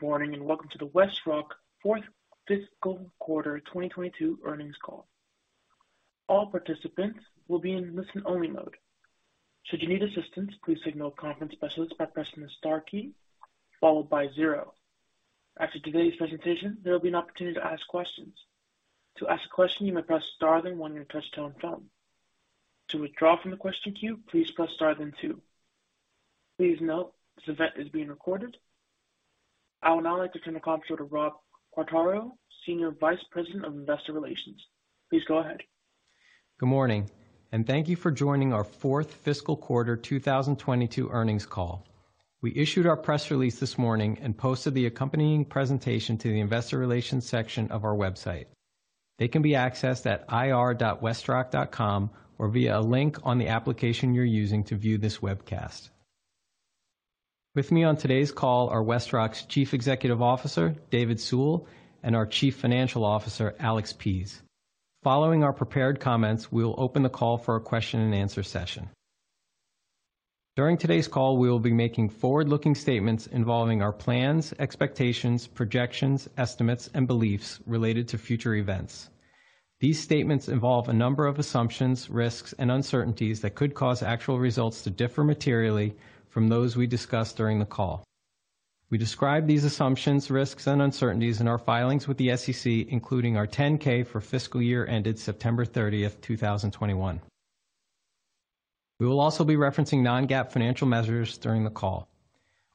Good morning, and welcome to the WestRock Fourth Fiscal Quarter 2022 Earnings Call. All participants will be in listen-only mode. Should you need assistance, please signal a conference specialist by pressing the star key followed by zero. After today's presentation, there will be an opportunity to ask questions. To ask a question, you may press star then one on your touch-tone phone. To withdraw from the question queue, please press star then two. Please note this event is being recorded. I would now like to turn the call over to Rob Quartaro, Senior Vice President of Investor Relations. Please go ahead. Good morning, and thank you for joining our Fourth Fiscal Quarter 2022 Earnings Call. We issued our press release this morning and posted the accompanying presentation to the investor relations section of our website. They can be accessed at ir.westrock.com or via a link on the application you're using to view this webcast. With me on today's call are WestRock's Chief Executive Officer, David Sewell, and our Chief Financial Officer, Alex Pease. Following our prepared comments, we will open the call for a question-and-answer session. During today's call, we will be making forward-looking statements involving our plans, expectations, projections, estimates, and beliefs related to future events. These statements involve a number of assumptions, risks, and uncertainties that could cause actual results to differ materially from those we discuss during the call. We describe these assumptions, risks, and uncertainties in our filings with the SEC, including our 10-K for fiscal year ended September thirtieth, 2021. We will also be referencing non-GAAP financial measures during the call.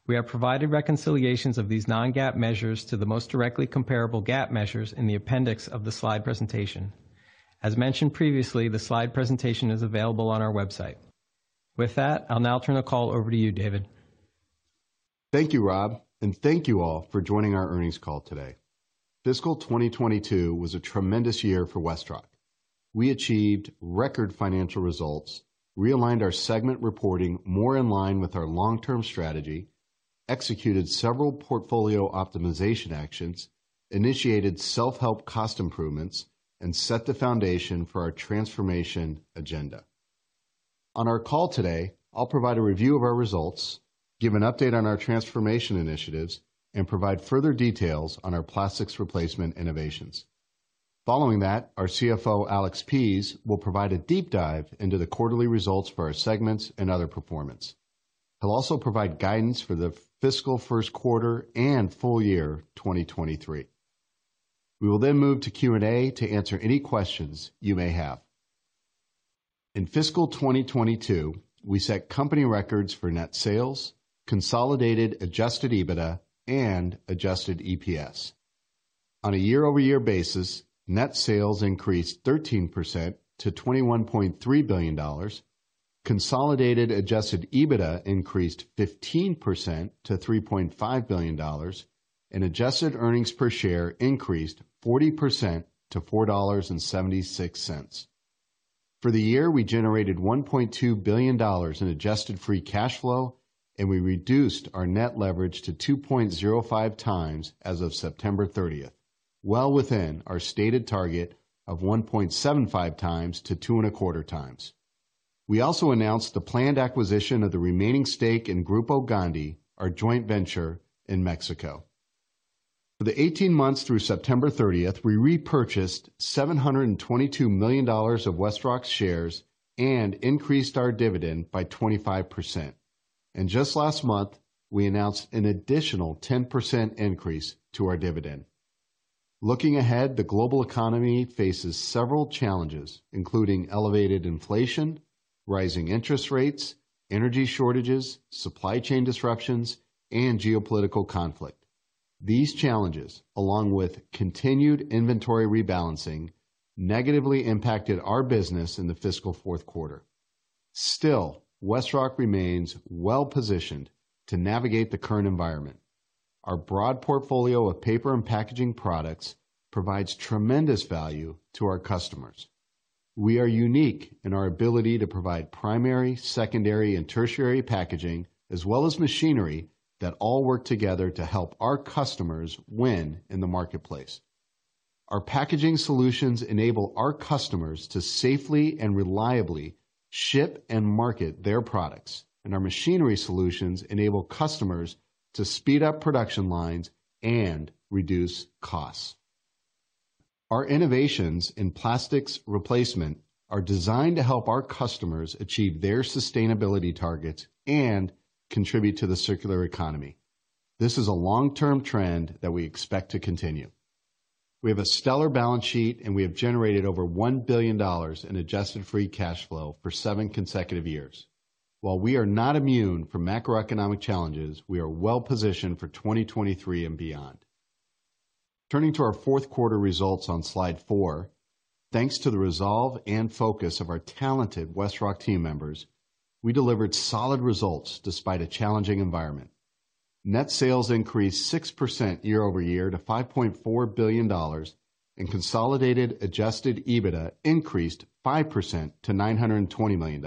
We have provided reconciliations of these non-GAAP measures to the most directly comparable GAAP measures in the appendix of the slide presentation. As mentioned previously, the slide presentation is available on our website. With that, I'll now turn the call over to you, David. Thank you, Rob, and thank you all for joining our earnings call today. Fiscal 2022 was a tremendous year for WestRock. We achieved record financial results, realigned our segment reporting more in line with our long-term strategy, executed several portfolio optimization actions, initiated self-help cost improvements, and set the foundation for our transformation agenda. On our call today, I'll provide a review of our results, give an update on our transformation initiatives, and provide further details on our plastics replacement innovations. Following that, our CFO, Alex Pease, will provide a deep dive into the quarterly results for our segments and other performance. He'll also provide guidance for the fiscal first quarter and full year 2023. We will then move to Q&A to answer any questions you may have. In fiscal 2022, we set company records for net sales, consolidated adjusted EBITDA, and adjusted EPS. On a year-over-year basis, net sales increased 13% to $21.3 billion. Consolidated adjusted EBITDA increased 15% to $3.5 billion, and adjusted earnings per share increased 40% to $4.76. For the year, we generated $1.2 billion in adjusted free cash flow, and we reduced our net leverage to 2.05x as of September thirtieth, well within our stated target of 1.75x-2.25x. We also announced the planned acquisition of the remaining stake in Grupo Gondi, our joint venture in Mexico. For the 18 months through September thirtieth, we repurchased $722 million of WestRock's shares and increased our dividend by 25%. Just last month, we announced an additional 10% increase to our dividend. Looking ahead, the global economy faces several challenges, including elevated inflation, rising interest rates, energy shortages, supply chain disruptions, and geopolitical conflict. These challenges, along with continued inventory rebalancing, negatively impacted our business in the fiscal fourth quarter. Still, WestRock remains well-positioned to navigate the current environment. Our broad portfolio of paper and packaging products provides tremendous value to our customers. We are unique in our ability to provide primary, secondary, and tertiary packaging, as well as machinery that all work together to help our customers win in the marketplace. Our packaging solutions enable our customers to safely and reliably ship and market their products, and our machinery solutions enable customers to speed up production lines and reduce costs. Our innovations in plastics replacement are designed to help our customers achieve their sustainability targets and contribute to the circular economy. This is a long-term trend that we expect to continue. We have a stellar balance sheet, and we have generated over $1 billion in adjusted free cash flow for seven consecutive years. While we are not immune from macroeconomic challenges, we are well positioned for 2023 and beyond. Turning to our fourth quarter results on slide four. Thanks to the resolve and focus of our talented WestRock team members, we delivered solid results despite a challenging environment. Net sales increased 6% year-over-year to $5.4 billion, and consolidated adjusted EBITDA increased 5% to $920 million.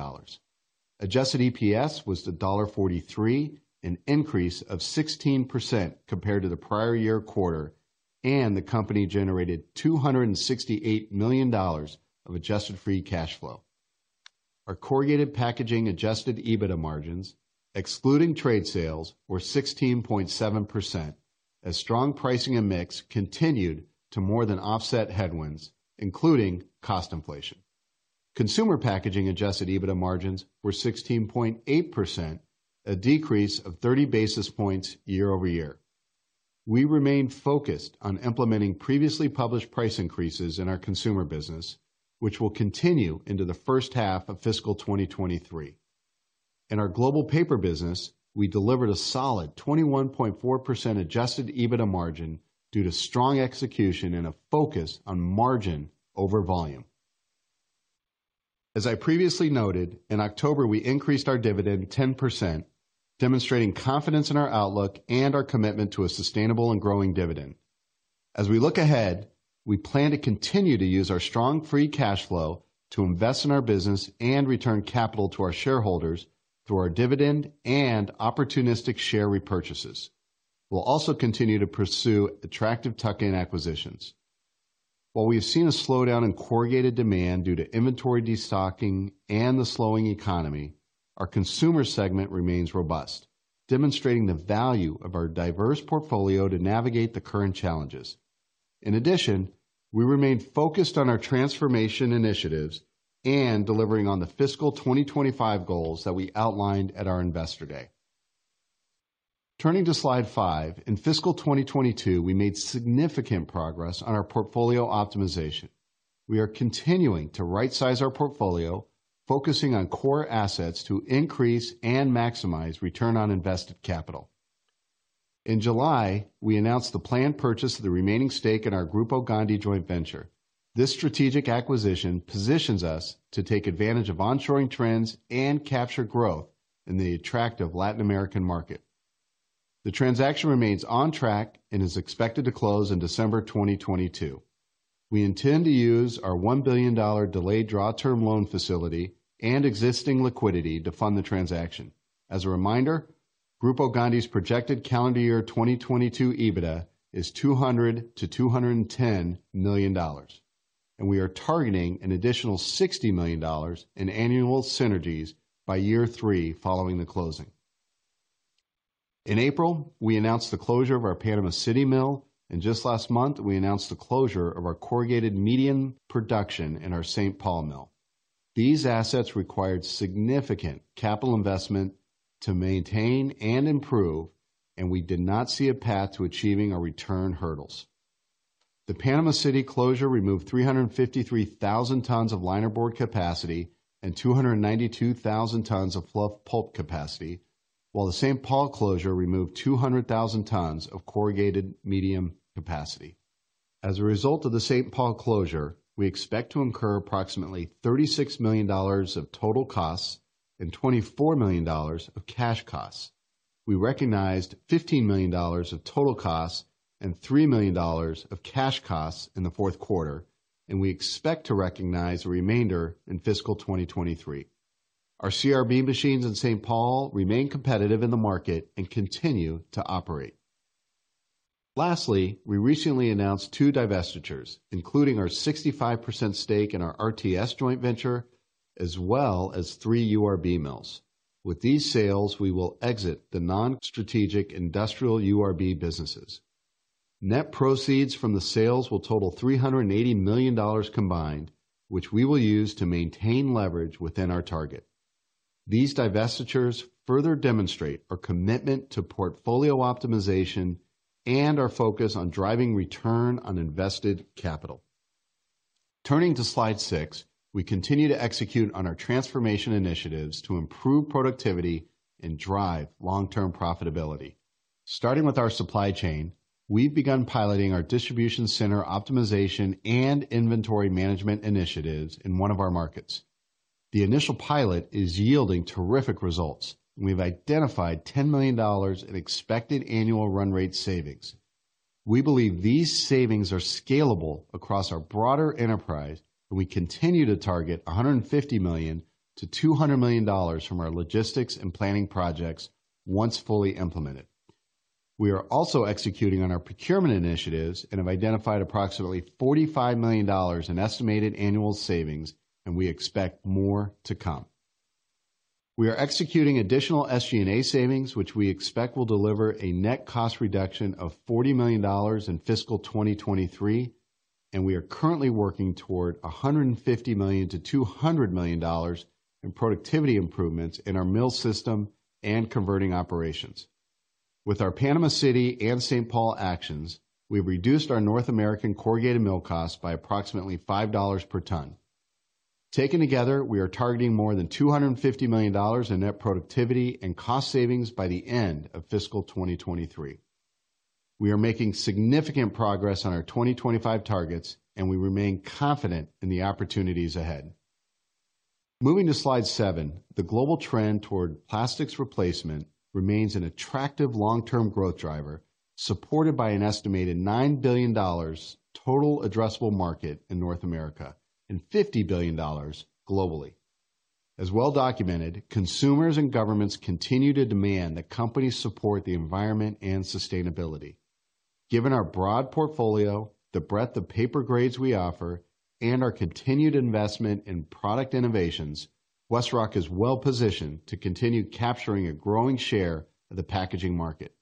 Adjusted EPS was $1.43, an increase of 16% compared to the prior year quarter, and the company generated $268 million of adjusted free cash flow. Our corrugated packaging adjusted EBITDA margins, excluding trade sales, were 16.7%, as strong pricing and mix continued to more than offset headwinds, including cost inflation. Consumer packaging adjusted EBITDA margins were 16.8%, a decrease of 30 basis points year-over-year. We remain focused on implementing previously published price increases in our consumer business, which will continue into the first half of fiscal 2023. In our global paper business, we delivered a solid 21.4% adjusted EBITDA margin due to strong execution and a focus on margin over volume. As I previously noted, in October, we increased our dividend 10%, demonstrating confidence in our outlook and our commitment to a sustainable and growing dividend. As we look ahead, we plan to continue to use our strong free cash flow to invest in our business and return capital to our shareholders through our dividend and opportunistic share repurchases. We'll also continue to pursue attractive tuck-in acquisitions. While we have seen a slowdown in corrugated demand due to inventory destocking and the slowing economy, our consumer segment remains robust, demonstrating the value of our diverse portfolio to navigate the current challenges. In addition, we remain focused on our transformation initiatives and delivering on the fiscal 2025 goals that we outlined at our Investor Day. Turning to slide five. In fiscal 2022, we made significant progress on our portfolio optimization. We are continuing to rightsize our portfolio, focusing on core assets to increase and maximize return on invested capital. In July, we announced the planned purchase of the remaining stake in our Grupo Gondi joint venture. This strategic acquisition positions us to take advantage of onshoring trends and capture growth in the attractive Latin American market. The transaction remains on track and is expected to close in December 2022. We intend to use our $1 billion delayed draw term loan facility and existing liquidity to fund the transaction. As a reminder, Grupo Gondi's projected calendar year 2022 EBITDA is $200 million-$210 million, and we are targeting an additional $60 million in annual synergies by year three following the closing. In April, we announced the closure of our Panama City mill, and just last month, we announced the closure of our corrugated medium production in our St. Paul mill. These assets required significant capital investment to maintain and improve, and we did not see a path to achieving our return hurdles. The Panama City closure removed 353,000 tons of linerboard capacity and 292,000 tons of fluff pulp capacity, while the St. Paul closure removed 200,000 tons of corrugated medium capacity. As a result of the St. Paul closure, we expect to incur approximately $36 million of total costs and $24 million of cash costs. We recognized $15 million of total costs and $3 million of cash costs in the fourth quarter, and we expect to recognize the remainder in fiscal 2023. Our CRB machines in St. Paul remain competitive in the market and continue to operate. Lastly, we recently announced two divestitures, including our 65% stake in our RTS joint venture as well as three URB mills. With these sales, we will exit the non-strategic industrial URB businesses. Net proceeds from the sales will total $380 million combined, which we will use to maintain leverage within our target. These divestitures further demonstrate our commitment to portfolio optimization and our focus on driving return on invested capital. Turning to slide six. We continue to execute on our transformation initiatives to improve productivity and drive long-term profitability. Starting with our supply chain, we've begun piloting our distribution center optimization and inventory management initiatives in one of our markets. The initial pilot is yielding terrific results. We've identified $10 million in expected annual run rate savings. We believe these savings are scalable across our broader enterprise, and we continue to target $150 million-$200 million from our logistics and planning projects once fully implemented. We are also executing on our procurement initiatives and have identified approximately $45 million in estimated annual savings, and we expect more to come. We are executing additional SG&A savings, which we expect will deliver a net cost reduction of $40 million in fiscal 2023, and we are currently working toward $150 million-$200 million in productivity improvements in our mill system and converting operations. With our Panama City and St. Paul actions, we've reduced our North American corrugated mill costs by approximately $5 per ton. Taken together, we are targeting more than $250 million in net productivity and cost savings by the end of fiscal 2023. We are making significant progress on our 2025 targets, and we remain confident in the opportunities ahead. Moving to slide seven. The global trend toward plastics replacement remains an attractive long-term growth driver, supported by an estimated $9 billion total addressable market in North America and $50 billion globally. As well documented, consumers and governments continue to demand that companies support the environment and sustainability. Given our broad portfolio, the breadth of paper grades we offer, and our continued investment in product innovations, WestRock is well-positioned to continue capturing a growing share of the packaging market.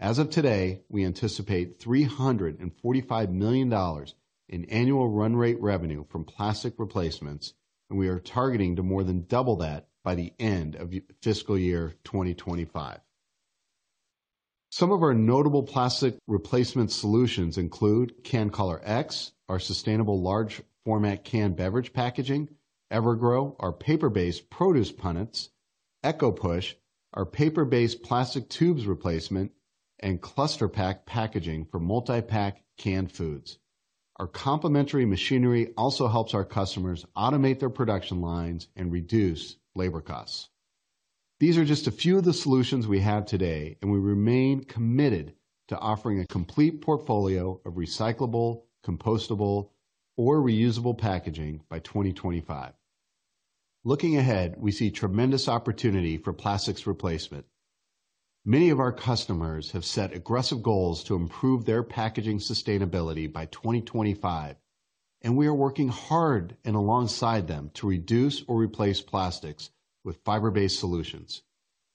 As of today, we anticipate $345 million in annual run rate revenue from plastic replacements, and we are targeting to more than double that by the end of fiscal year 2025. Some of our notable plastic replacement solutions include CanCollar X, our sustainable large format canned beverage packaging, EverGrow, our paper-based produce punnets, EcoPush, our paper-based plastic tubes replacement, and Cluster-Pak packaging for multi-pack canned foods. Our complementary machinery also helps our customers automate their production lines and reduce labor costs. These are just a few of the solutions we have today, and we remain committed to offering a complete portfolio of recyclable, compostable, or reusable packaging by 2025. Looking ahead, we see tremendous opportunity for plastics replacement. Many of our customers have set aggressive goals to improve their packaging sustainability by 2025, and we are working hard and alongside them to reduce or replace plastics with fiber-based solutions.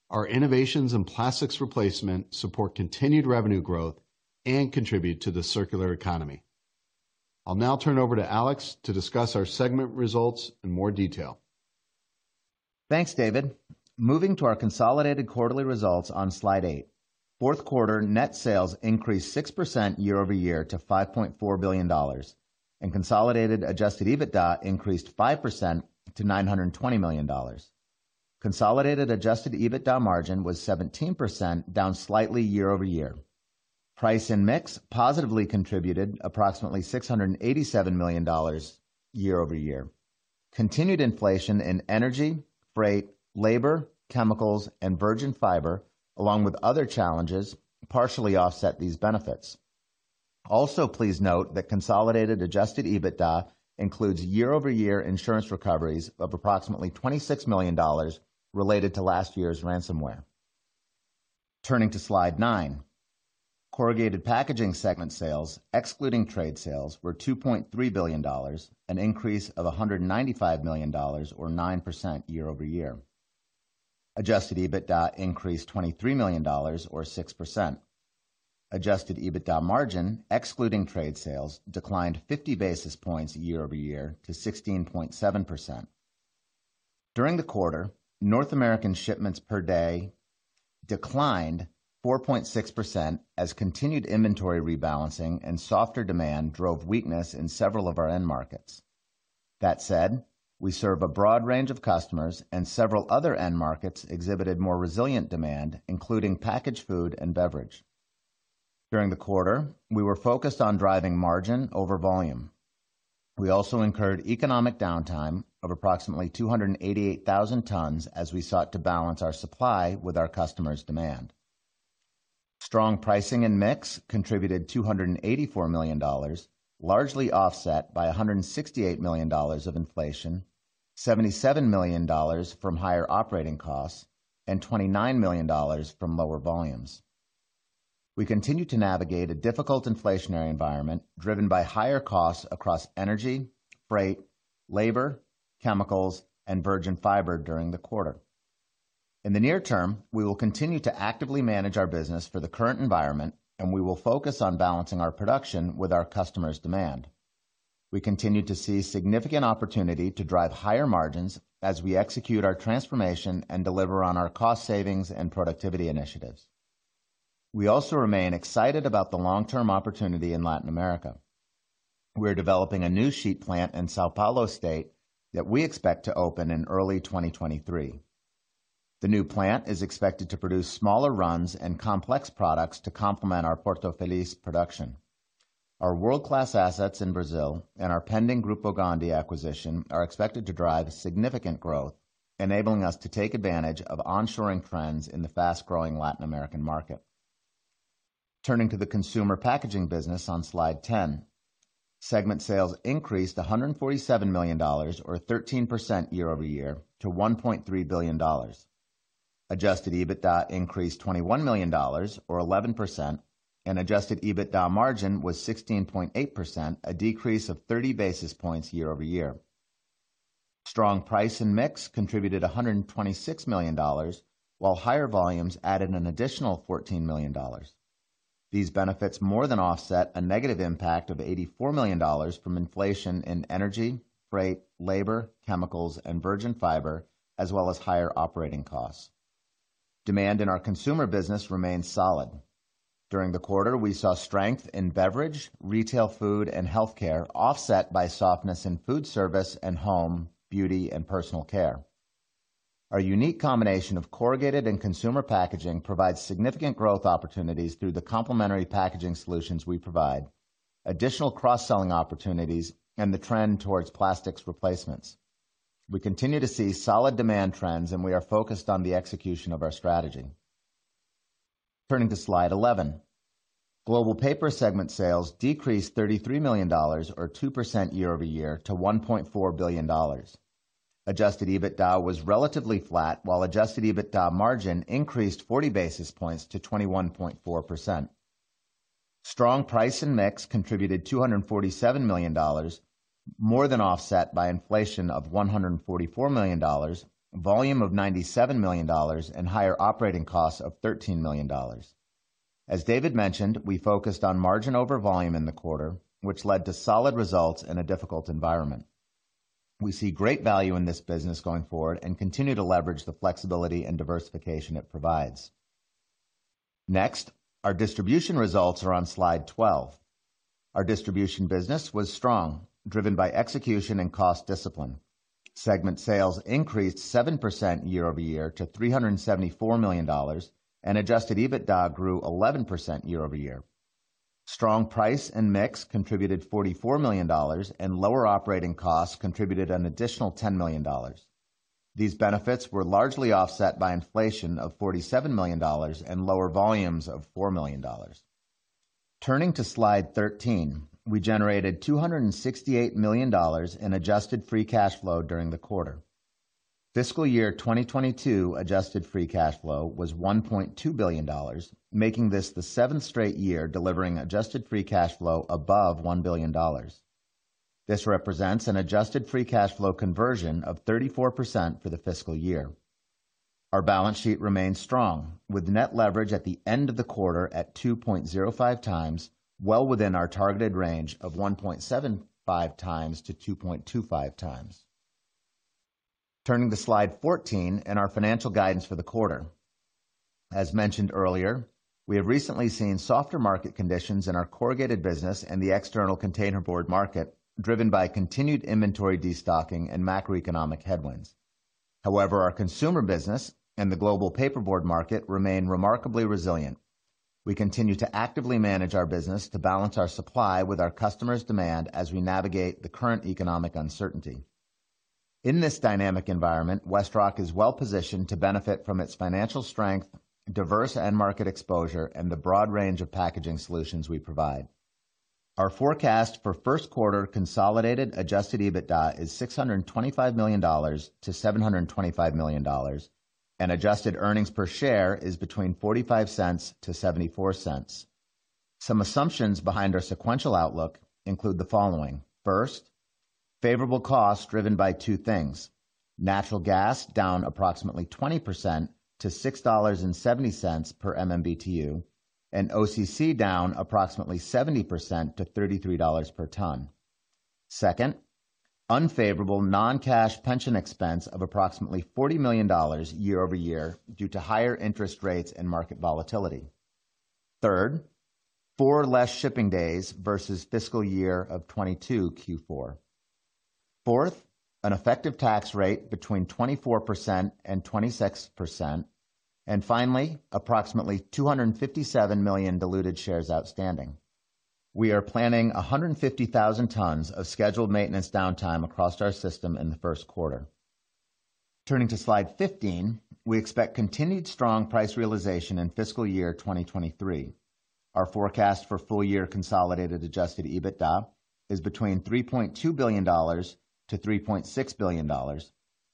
Our innovations in plastics replacement support continued revenue growth and contribute to the circular economy. I'll now turn over to Alex to discuss our segment results in more detail. Thanks, David. Moving to our consolidated quarterly results on slide eight. Fourth quarter net sales increased 6% year-over-year to $5.4 billion, and consolidated adjusted EBITDA increased 5% to $920 million. Consolidated adjusted EBITDA margin was 17%, down slightly year-over-year. Price and mix positively contributed approximately $687 million year-over-year. Continued inflation in energy, freight, labor, chemicals, and virgin fiber, along with other challenges, partially offset these benefits. Also, please note that consolidated adjusted EBITDA includes year-over-year insurance recoveries of approximately $26 million related to last year's ransomware. Turning to slide nine. Corrugated packaging segment sales, excluding trade sales, were $2.3 billion, an increase of $195 million or 9% year-over-year. Adjusted EBITDA increased $23 million or 6%. Adjusted EBITDA margin, excluding trade sales, declined 50 basis points year-over-year to 16.7%. During the quarter, North American shipments per day declined 4.6% as continued inventory rebalancing and softer demand drove weakness in several of our end markets. That said, we serve a broad range of customers, and several other end markets exhibited more resilient demand, including packaged food and beverage. During the quarter, we were focused on driving margin over volume. We also incurred economic downtime of approximately 288,000 tons as we sought to balance our supply with our customers' demand. Strong pricing and mix contributed $284 million, largely offset by $168 million of inflation, $77 million from higher operating costs, and $29 million from lower volumes. We continue to navigate a difficult inflationary environment driven by higher costs across energy, freight, labor, chemicals, and virgin fiber during the quarter. In the near-term, we will continue to actively manage our business for the current environment, and we will focus on balancing our production with our customers' demand. We continue to see significant opportunity to drive higher margins as we execute our transformation and deliver on our cost savings and productivity initiatives. We also remain excited about the long-term opportunity in Latin America. We're developing a new sheet plant in São Paulo State that we expect to open in early 2023. The new plant is expected to produce smaller runs and complex products to complement our Porto Feliz production. Our world-class assets in Brazil and our pending Grupo Gondi acquisition are expected to drive significant growth, enabling us to take advantage of onshoring trends in the fast-growing Latin American market. Turning to the consumer packaging business on slide ten. Segment sales increased $147 million or 13% year-over-year to $1.3 billion. Adjusted EBITDA increased $21 million or 11%, and adjusted EBITDA margin was 16.8%, a decrease of 30 basis points year-over-year. Strong price and mix contributed $126 million, while higher volumes added an additional $14 million. These benefits more than offset a negative impact of $84 million from inflation in energy, freight, labor, chemicals, and virgin fiber, as well as higher operating costs. Demand in our consumer business remains solid. During the quarter, we saw strength in beverage, retail, food, and healthcare, offset by softness in food service and home, beauty, and personal care. Our unique combination of corrugated and consumer packaging provides significant growth opportunities through the complementary packaging solutions we provide, additional cross-selling opportunities, and the trend towards plastics replacements. We continue to see solid demand trends, and we are focused on the execution of our strategy. Turning to slide 11. Global paper segment sales decreased $33 million or 2% year-over-year to $1.4 billion. Adjusted EBITDA was relatively flat while adjusted EBITDA margin increased 40 basis points to 21.4%. Strong price and mix contributed $247 million, more than offset by inflation of $144 million, volume of $97 million and higher operating costs of $13 million. As David mentioned, we focused on margin over volume in the quarter, which led to solid results in a difficult environment. We see great value in this business going forward and continue to leverage the flexibility and diversification it provides. Next, our distribution results are on slide 12. Our distribution business was strong, driven by execution and cost discipline. Segment sales increased 7% year-over-year to $374 million, and adjusted EBITDA grew 11% year-over-year. Strong price and mix contributed $44 million and lower operating costs contributed an additional $10 million. These benefits were largely offset by inflation of $47 million and lower volumes of $4 million. Turning to slide 13. We generated $268 million in adjusted free cash flow during the quarter. Fiscal year 2022 adjusted free cash flow was $1.2 billion, making this the seventh straight year delivering adjusted free cash flow above $1 billion. This represents an adjusted free cash flow conversion of 34% for the fiscal year. Our balance sheet remains strong, with net leverage at the end of the quarter at 2.05x, well within our targeted range of 1.75x-2.25x. Turning to slide 14 and our financial guidance for the quarter. As mentioned earlier, we have recently seen softer market conditions in our corrugated business and the external container board market, driven by continued inventory destocking and macroeconomic headwinds. However, our consumer business and the global paperboard market remain remarkably resilient. We continue to actively manage our business to balance our supply with our customers' demand as we navigate the current economic uncertainty. In this dynamic environment, WestRock is well positioned to benefit from its financial strength, diverse end market exposure, and the broad range of packaging solutions we provide. Our forecast for first quarter consolidated adjusted EBITDA is $625 million-$725 million, and adjusted earnings per share is between $0.45-$0.74. Some assumptions behind our sequential outlook include the following. First, favorable costs driven by two things. Natural gas down approximately 20% to $6.70 per MMBTU, and OCC down approximately 70% to $33 per ton. Second, unfavorable non-cash pension expense of approximately $40 million year-over-year due to higher interest rates and market volatility. Third, four less shipping days versus fiscal year of 2022 Q4. Fourth, an effective tax rate between 24% and 26%. Finallfy, approximately 257 million diluted shares outstanding. We are planning 150,000 tons of scheduled maintenance downtime across our system in the first quarter. Turning to slide 15. We expect continued strong price realization in fiscal year 2023. Our forecast for full year consolidated adjusted EBITDA is between $3.2 billion-$3.6 billion,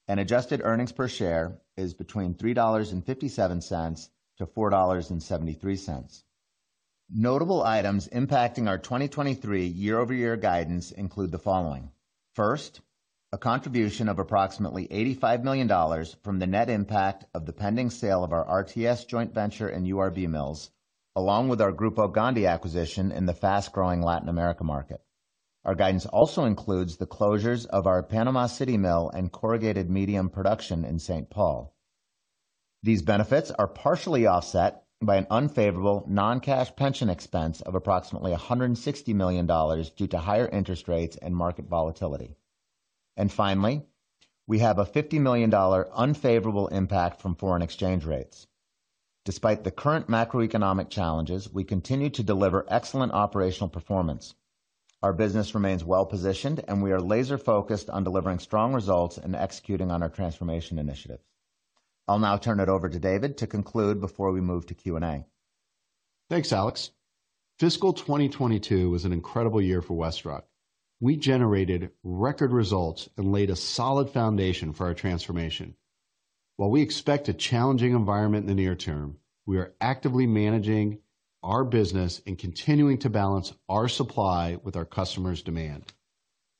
and adjusted earnings per share is between $3.57-$4.73. Notable items impacting our 2023 year-over-year guidance include the following. First, a contribution of approximately $85 million from the net impact of the pending sale of our RTS joint venture and URB mills, along with our Grupo Gondi acquisition in the fast-growing Latin America market. Our guidance also includes the closures of our Panama City mill and corrugated medium production in St. Paul. These benefits are partially offset by an unfavorable non-cash pension expense of approximately $160 million due to higher interest rates and market volatility. Finally, we have a $50 million unfavorable impact from foreign exchange rates. Despite the current macroeconomic challenges, we continue to deliver excellent operational performance. Our business remains well positioned, and we are laser focused on delivering strong results and executing on our transformation initiative. I'll now turn it over to David to conclude before we move to Q&A. Thanks, Alex. Fiscal 2022 was an incredible year for WestRock. We generated record results and laid a solid foundation for our transformation. While we expect a challenging environment in the near-term, we are actively managing our business and continuing to balance our supply with our customers' demand.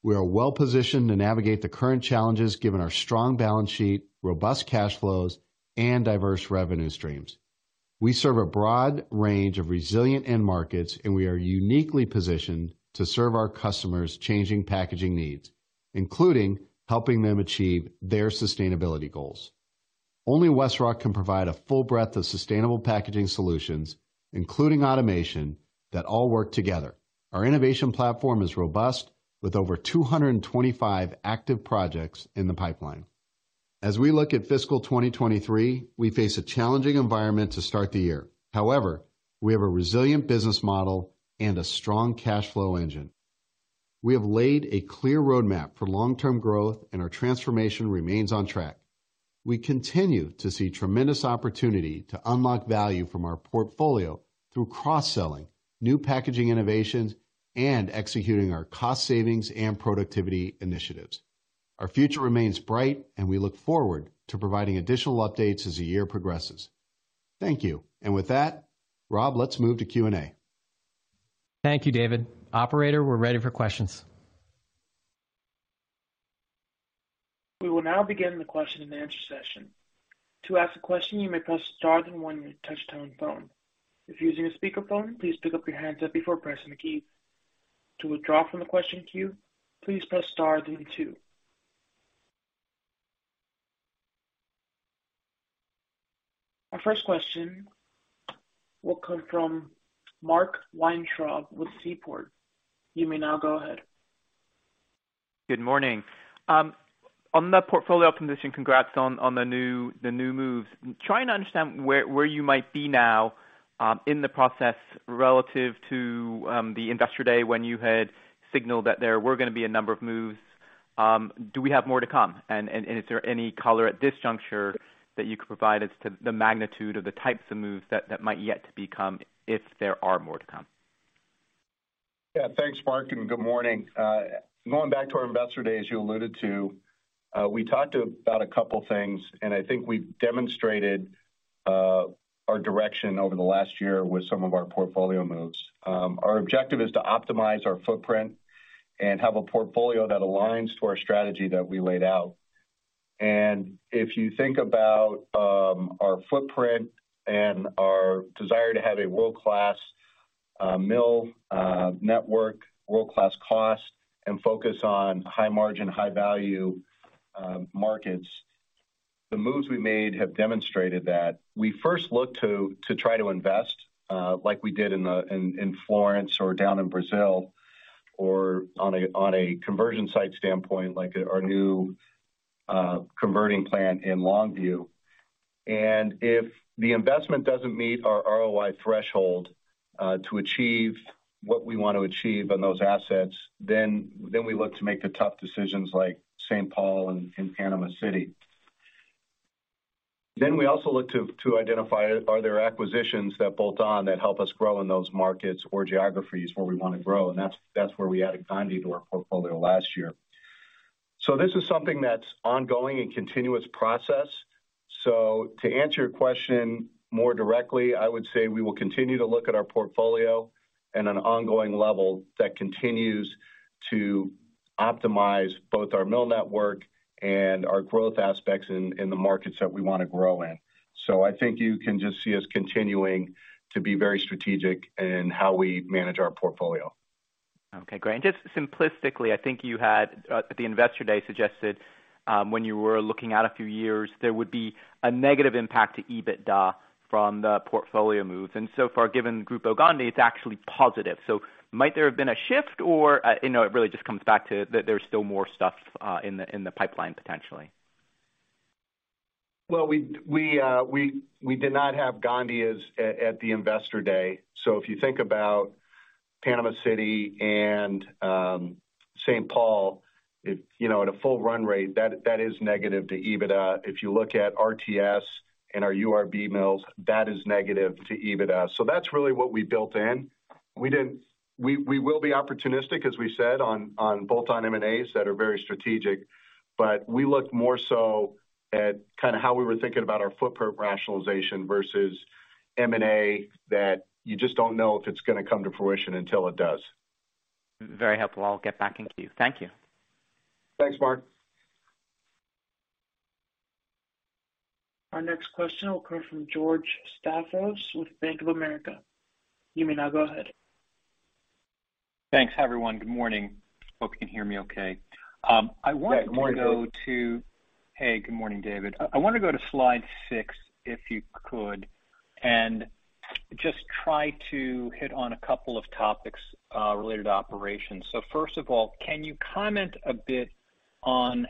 We are well positioned to navigate the current challenges given our strong balance sheet, robust cash flows, and diverse revenue streams. We serve a broad range of resilient end markets, and we are uniquely positioned to serve our customers' changing packaging needs, including helping them achieve their sustainability goals. Only WestRock can provide a full breadth of sustainable packaging solutions, including automation, that all work together. Our innovation platform is robust, with over 225 active projects in the pipeline. As we look at fiscal 2023, we face a challenging environment to start the year. However, we have a resilient business model and a strong cash flow engine. We have laid a clear roadmap for long-term growth, and our transformation remains on track. We continue to see tremendous opportunity to unlock value from our portfolio through cross-selling, new packaging innovations, and executing our cost savings and productivity initiatives. Our future remains bright, and we look forward to providing additional updates as the year progresses. Thank you. With that, Rob, let's move to Q&A. Thank you, David. Operator, we're ready for questions. We will now begin the question-and-answer session. To ask a question, you may press star then one on your touch-tone phone. If using a speakerphone, please pick up your handset before pressing the key. To withdraw from the question queue, please press star then two. Our first question will come from Mark Weintraub with Seaport. You may now go ahead. Good morning. On the portfolio condition, congrats on the new moves. I'm trying to understand where you might be now in the process relative to the Investor Day when you had signaled that there were gonna be a number of moves. Do we have more to come? Is there any color at this juncture that you could provide as to the magnitude of the types of moves that might yet to become if there are more to come? Yeah. Thanks, Mark, and good morning. Going back to our Investor Day, as you alluded to, we talked about a couple things, and I think we've demonstrated our direction over the last year with some of our portfolio moves. Our objective is to optimize our footprint and have a portfolio that aligns to our strategy that we laid out. If you think about our footprint and our desire to have a world-class mill network, world-class cost, and focus on high margin, high value markets, the moves we made have demonstrated that. We first look to try to invest like we did in Florence or down in Brazil or on a conversion site standpoint like our new converting plant in Longview. If the investment doesn't meet our ROI threshold to achieve what we want to achieve on those assets, then we look to make the tough decisions like St. Paul and Panama City. Then we also look to identify are there acquisitions that bolt on that help us grow in those markets or geographies where we wanna grow. That's where we added Gondi to our portfolio last year. This is something that's ongoing and continuous process. To answer your question more directly, I would say we will continue to look at our portfolio in an ongoing level that continues to optimize both our mill network and our growth aspects in the markets that we wanna grow in. I think you can just see us continuing to be very strategic in how we manage our portfolio. Okay, great. Just simplistically, I think you had at the Investor Day suggested when you were looking out a few years, there would be a negative impact to EBITDA from the portfolio moves. Far, given Grupo Gondi, it's actually positive. Might there have been a shift or, you know, it really just comes back to that there's still more stuff in the pipeline potentially? Well, we did not have Gondi at the Investor Day. If you think about Panama City and St. Paul, you know, at a full run rate, that is negative to EBITDA. If you look at RTS and our URB mills, that is negative to EBITDA. That's really what we built in. We will be opportunistic, as we said, on bolt-on M&As that are very strategic. We look more so at kinda how we were thinking about our footprint rationalization versus M&A, that you just don't know if it's gonna come to fruition until it does. Very helpful. I'll get back in queue. Thank you. Thanks, Mark. Our next question will come from George Staphos with Bank of America. You may now go ahead. Thanks. Hi, everyone. Good morning. Hope you can hear me okay. I want to go to. Good morning, George. Hey. Good morning, David. I wanna go to slide six, if you could, and just try to hit on a couple of topics related to operations. First of all, can you comment a bit on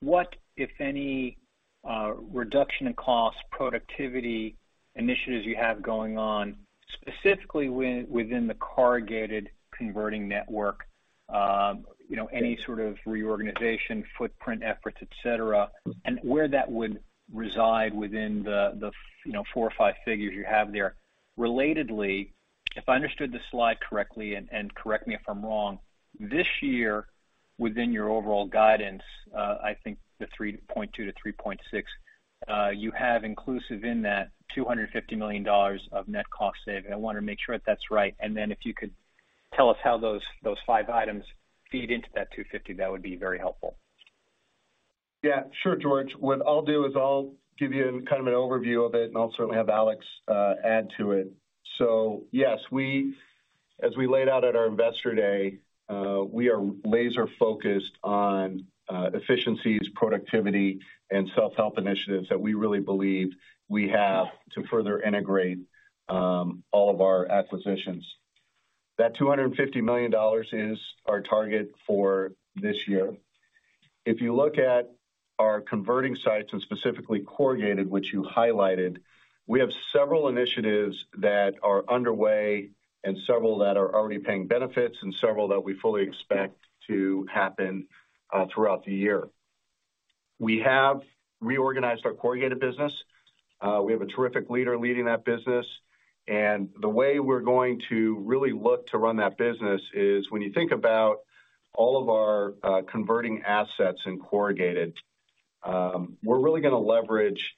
what, if any, reduction in cost productivity initiatives you have going on, specifically within the corrugated converting network? You know, any sort of reorganization, footprint efforts, et cetera, and where that would reside within the four or five figures you have there. Relatedly, if I understood the slide correctly, and correct me if I'm wrong, this year, within your overall guidance, I think the 3.2-3.6 you have inclusive in that $250 million of net cost savings. I wanna make sure if that's right. If you could tell us how those five items feed into that 250, that would be very helpful. Yeah. Sure, George. What I'll do is I'll give you kind of an overview of it, and I'll certainly have Alex add to it. As we laid out at our Investor Day, we are laser-focused on efficiencies, productivity, and self-help initiatives that we really believe we have to further integrate all of our acquisitions. That $250 million is our target for this year. If you look at our converting sites and specifically corrugated, which you highlighted, we have several initiatives that are underway and several that are already paying benefits and several that we fully expect to happen throughout the year. We have reorganized our corrugated business. We have a terrific leader leading that business. The way we're going to really look to run that business is when you think about all of our converting assets in corrugated, we're really gonna leverage.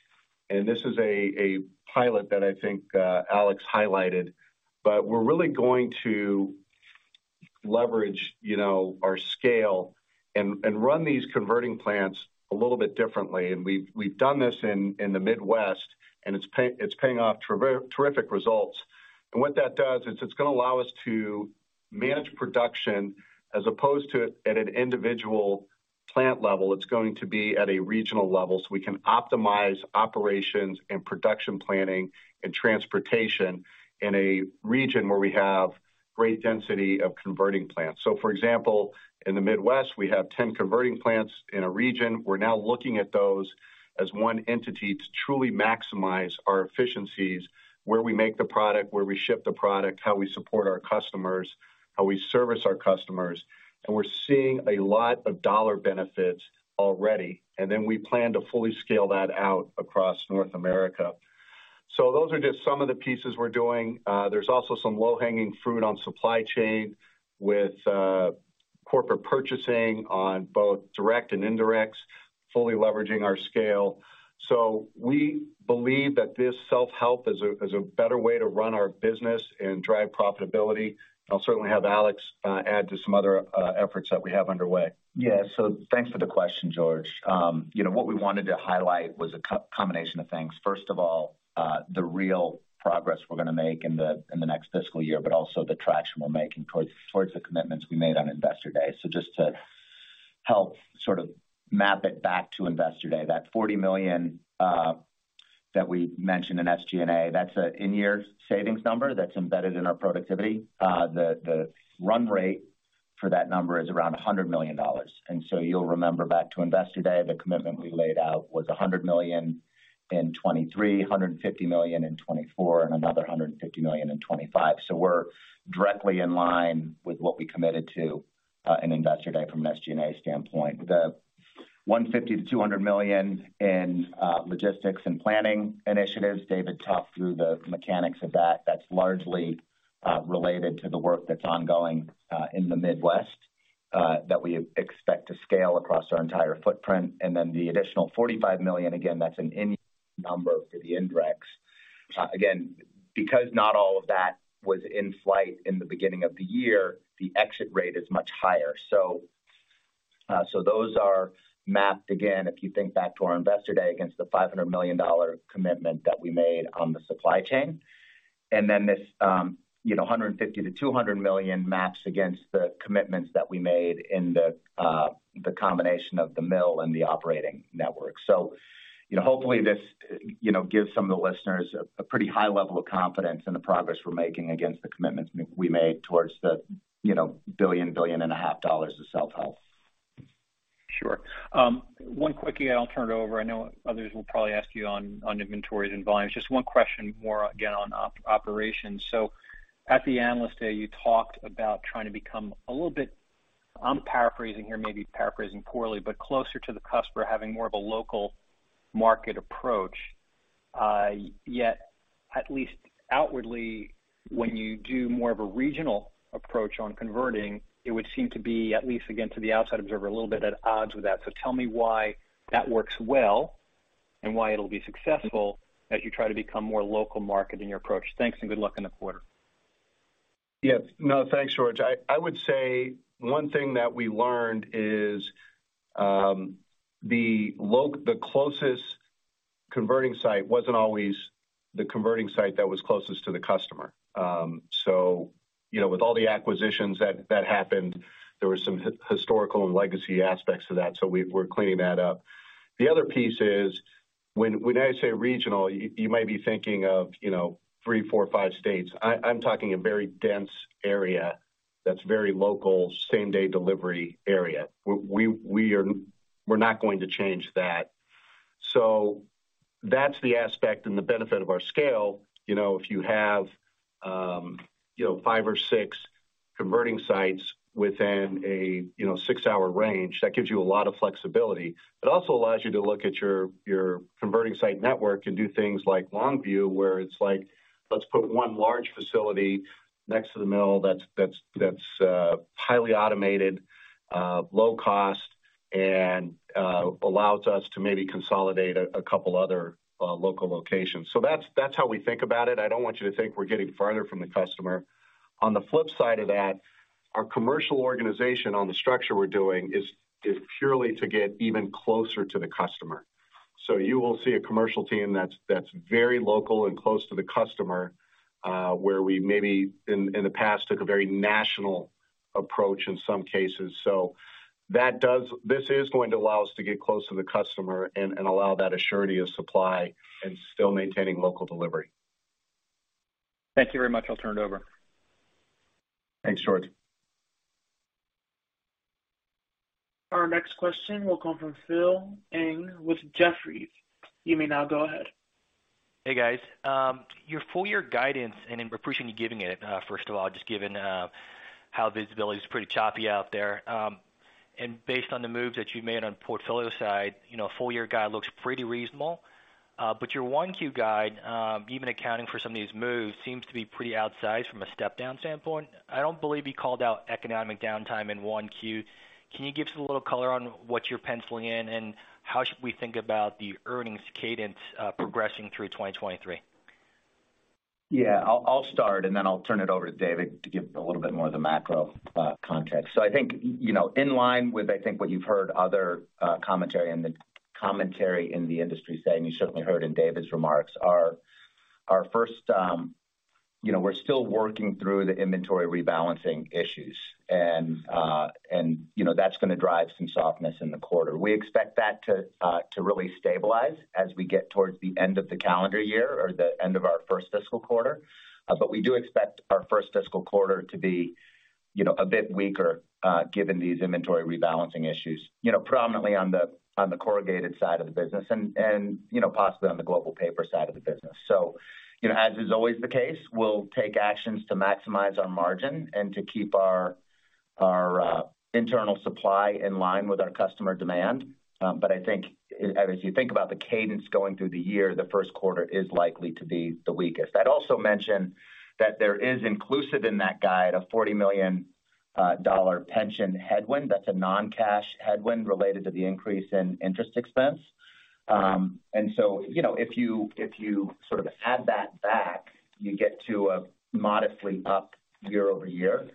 This is a pilot that I think Alex highlighted, but we're really going to leverage, you know, our scale and run these converting plants a little bit differently. We've done this in the Mid-west, and it's paying off terrific results. What that does is it's gonna allow us to manage production as opposed to at an individual plant level, it's going to be at a regional level, so we can optimize operations and production planning and transportation in a region where we have great density of converting plants. For example, in the Midwest, we have ten converting plants in a region. We're now looking at those as one entity to truly maximize our efficiencies, where we make the product, where we ship the product, how we support our customers, how we service our customers. We're seeing a lot of dollar benefits already. We plan to fully scale that out across North America. Those are just some of the pieces we're doing. There's also some low-hanging fruit on supply chain with corporate purchasing on both direct and indirect, fully leveraging our scale. We believe that this self-help is a better way to run our business and drive profitability. I'll certainly have Alex add to some other efforts that we have underway. Yeah. Thanks for the question, George. You know, what we wanted to highlight was a combination of things. First of all, the real progress we're gonna make in the next fiscal year, but also the traction we're making towards the commitments we made on Investor Day. Just to help sort of map it back to Investor Day, that $40 million that we mentioned in SG&A, that's an in-year savings number that's embedded in our productivity. The run rate for that number is around $100 million. You'll remember back to Investor Day, the commitment we laid out was $100 million in 2023, $150 million in 2024, and another $150 million in 2025. We're directly in line with what we committed to in Investor Day from an SG&A standpoint. The $150-$200 million in logistics and planning initiatives, David talked through the mechanics of that. That's largely related to the work that's ongoing in the Mid-west that we expect to scale across our entire footprint. Then the additional $45 million, again, that's an in-year number for the indirects. Again, because not all of that was in flight in the beginning of the year, the exit rate is much higher. Those are mapped, again, if you think back to our Investor Day, against the $500 million commitment that we made on the supply chain. Then this, you know, $150-$200 million maps against the commitments that we made in the combination of the mill and the operating network. You know, hopefully this, you know, gives some of the listeners a pretty high level of confidence in the progress we're making against the commitments we made towards the, you know, $1.5 billion of self-help. Sure. One quickie, I'll turn it over. I know others will probably ask you on inventories and volumes. Just one question more again on operations. At the Analyst Day, you talked about trying to become a little bit, I'm paraphrasing here, maybe paraphrasing poorly, but closer to the customer, having more of a local market approach. Yet at least outwardly, when you do more of a regional approach on converting, it would seem to be, at least again, to the outside observer, a little bit at odds with that. Tell me why that works well and why it'll be successful as you try to become more local market in your approach. Thanks, and good luck in the quarter. Yeah. No, thanks, George. I would say one thing that we learned is, the closest converting site wasn't always the converting site that was closest to the customer. You know, with all the acquisitions that happened, there was some historical and legacy aspects to that, so we're cleaning that up. The other piece is, when I say regional, you might be thinking of, you know, three, four, five states. I'm talking a very dense area that's very local, same-day delivery area. We're not going to change that. That's the aspect and the benefit of our scale. You know, if you have, you know, five or six converting sites within a, you know, six-hour range, that gives you a lot of flexibility. It also allows you to look at your converting site network and do things like Longview, where it's like, let's put one large facility next to the mill that's highly automated, low cost and allows us to maybe consolidate a couple other local locations. That's how we think about it. I don't want you to think we're getting farther from the customer. On the flip side of that, our commercial organization on the structure we're doing is purely to get even closer to the customer. You will see a commercial team that's very local and close to the customer, where we maybe in the past took a very national approach in some cases. This is going to allow us to get close to the customer and allow that assurance of supply and still maintaining local delivery. Thank you very much. I'll turn it over. Thanks, George. Our next question will come from Phil Ng with Jefferies. You may now go ahead. Hey guys. Your full year guidance and we appreciate you giving it, first of all, just given how visibility is pretty choppy out there. Based on the moves that you've made on portfolio side, you know, full year guide looks pretty reasonable. Your Q1 guide, even accounting for some of these moves, seems to be pretty outsized from a step-down standpoint. I don't believe you called out economic downtime in Q1. Can you give us a little color on what you're penciling in, and how should we think about the earnings cadence progressing through 2023? Yeah, I'll start, and then I'll turn it over to David to give a little bit more of the macro context. I think, you know, in line with what you've heard other commentary in the industry say, and you certainly heard in David's remarks, our first. You know, we're still working through the inventory rebalancing issues. You know, that's gonna drive some softness in the quarter. We expect that to really stabilize as we get towards the end of the calendar year or the end of our first fiscal quarter. We do expect our first fiscal quarter to be, you know, a bit weaker, given these inventory rebalancing issues, you know, prominently on the corrugated side of the business and you know, possibly on the global paper side of the business. As is always the case, we'll take actions to maximize our margin and to keep our internal supply in line with our customer demand. I think as you think about the cadence going through the year, the first quarter is likely to be the weakest. I'd also mention that there is inclusive in that guide a $40 million pension headwind. That's a non-cash headwind related to the increase in interest expense. You know, if you sort of add that back, you get to a modestly up year-over-year.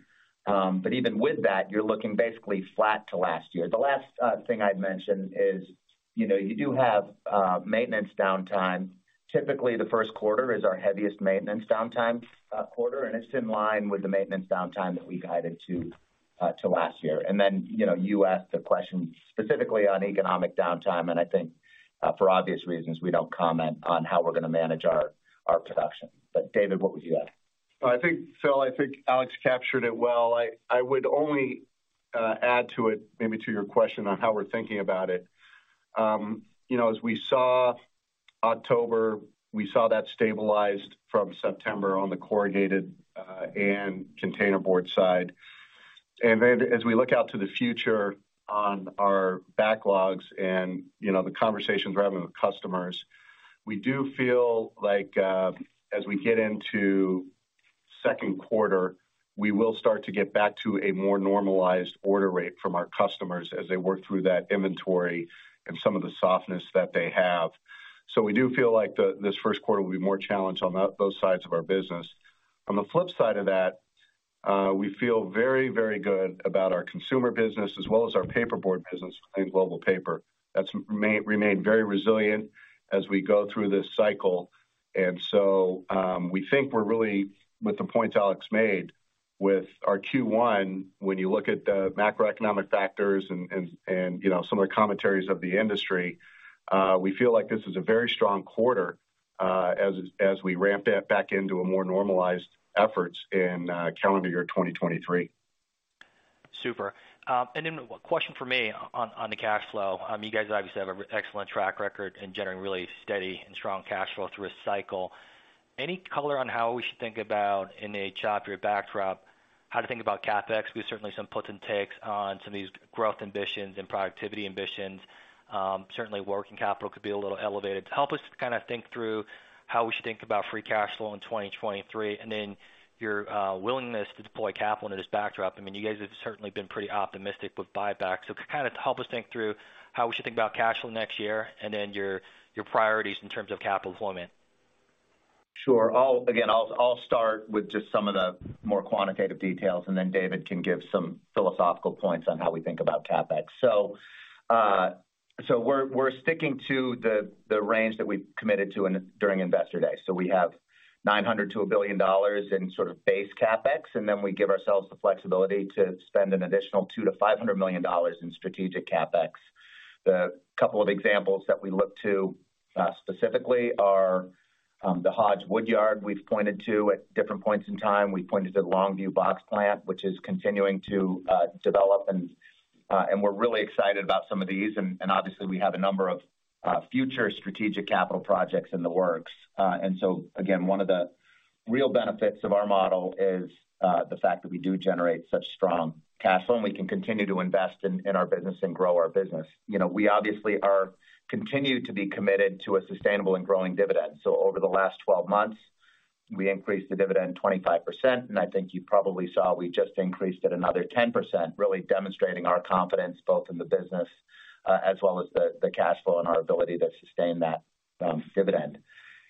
Even with that, you're looking basically flat to last year. The last thing I'd mention is, you know, you do have maintenance downtime. Typically, the first quarter is our heaviest maintenance downtime quarter, and it's in line with the maintenance downtime that we guided to last year. You know, you asked the question specifically on economic downtime, and I think, for obvious reasons, we don't comment on how we're gonna manage our production. David, what would you add? I think, Phil, Alex captured it well. I would only add to it, maybe to your question on how we're thinking about it. You know, as we saw October, we saw that stabilized from September on the corrugated and containerboard side. As we look out to the future on our backlogs and, you know, the conversations we're having with customers, we do feel like as we get into second quarter, we will start to get back to a more normalized order rate from our customers as they work through that inventory and some of the softness that they have. We do feel like this first quarter will be more challenged on those sides of our business. On the flip side of that, we feel very, very good about our consumer business as well as our paperboard business within Global Paper. That's remained very resilient as we go through this cycle. We think we're really, with the points Alex made, with our Q1, when you look at the macroeconomic factors and you know, some of the commentary of the industry, we feel like this is a very strong quarter, as we ramp that back into a more normalized efforts in calendar year 2023. Super. Then a question for me on the cash flow. You guys obviously have an excellent track record in generating really steady and strong cash flow through a cycle. Any color on how we should think about in a choppier backdrop, how to think about CapEx? There's certainly some puts and takes on some of these growth ambitions and productivity ambitions. Certainly working capital could be a little elevated. Help us kind of think through how we should think about free cash flow in 2023, and then your willingness to deploy capital into this backdrop. I mean, you guys have certainly been pretty optimistic with buybacks. Kind of help us think through how we should think about cash flow next year and then your priorities in terms of capital deployment. I'll again start with just some of the more quantitative details, and then David can give some philosophical points on how we think about CapEx. We're sticking to the range that we've committed to during Investor Day. We have $900 million-$1 billion in sort of base CapEx, and then we give ourselves the flexibility to spend an additional $200-$500 million in strategic CapEx. The couple of examples that we look to specifically are the Hodge woodyard we've pointed to at different points in time. We pointed to the Longview Box Plant, which is continuing to develop and we're really excited about some of these. Obviously, we have a number of future strategic capital projects in the works. One of the real benefits of our model is the fact that we do generate such strong cash flow, and we can continue to invest in our business and grow our business. You know, we obviously continue to be committed to a sustainable and growing dividend. Over the last 12 months, we increased the dividend 25%, and I think you probably saw we just increased it another 10%, really demonstrating our confidence both in the business as well as the cash flow and our ability to sustain that dividend.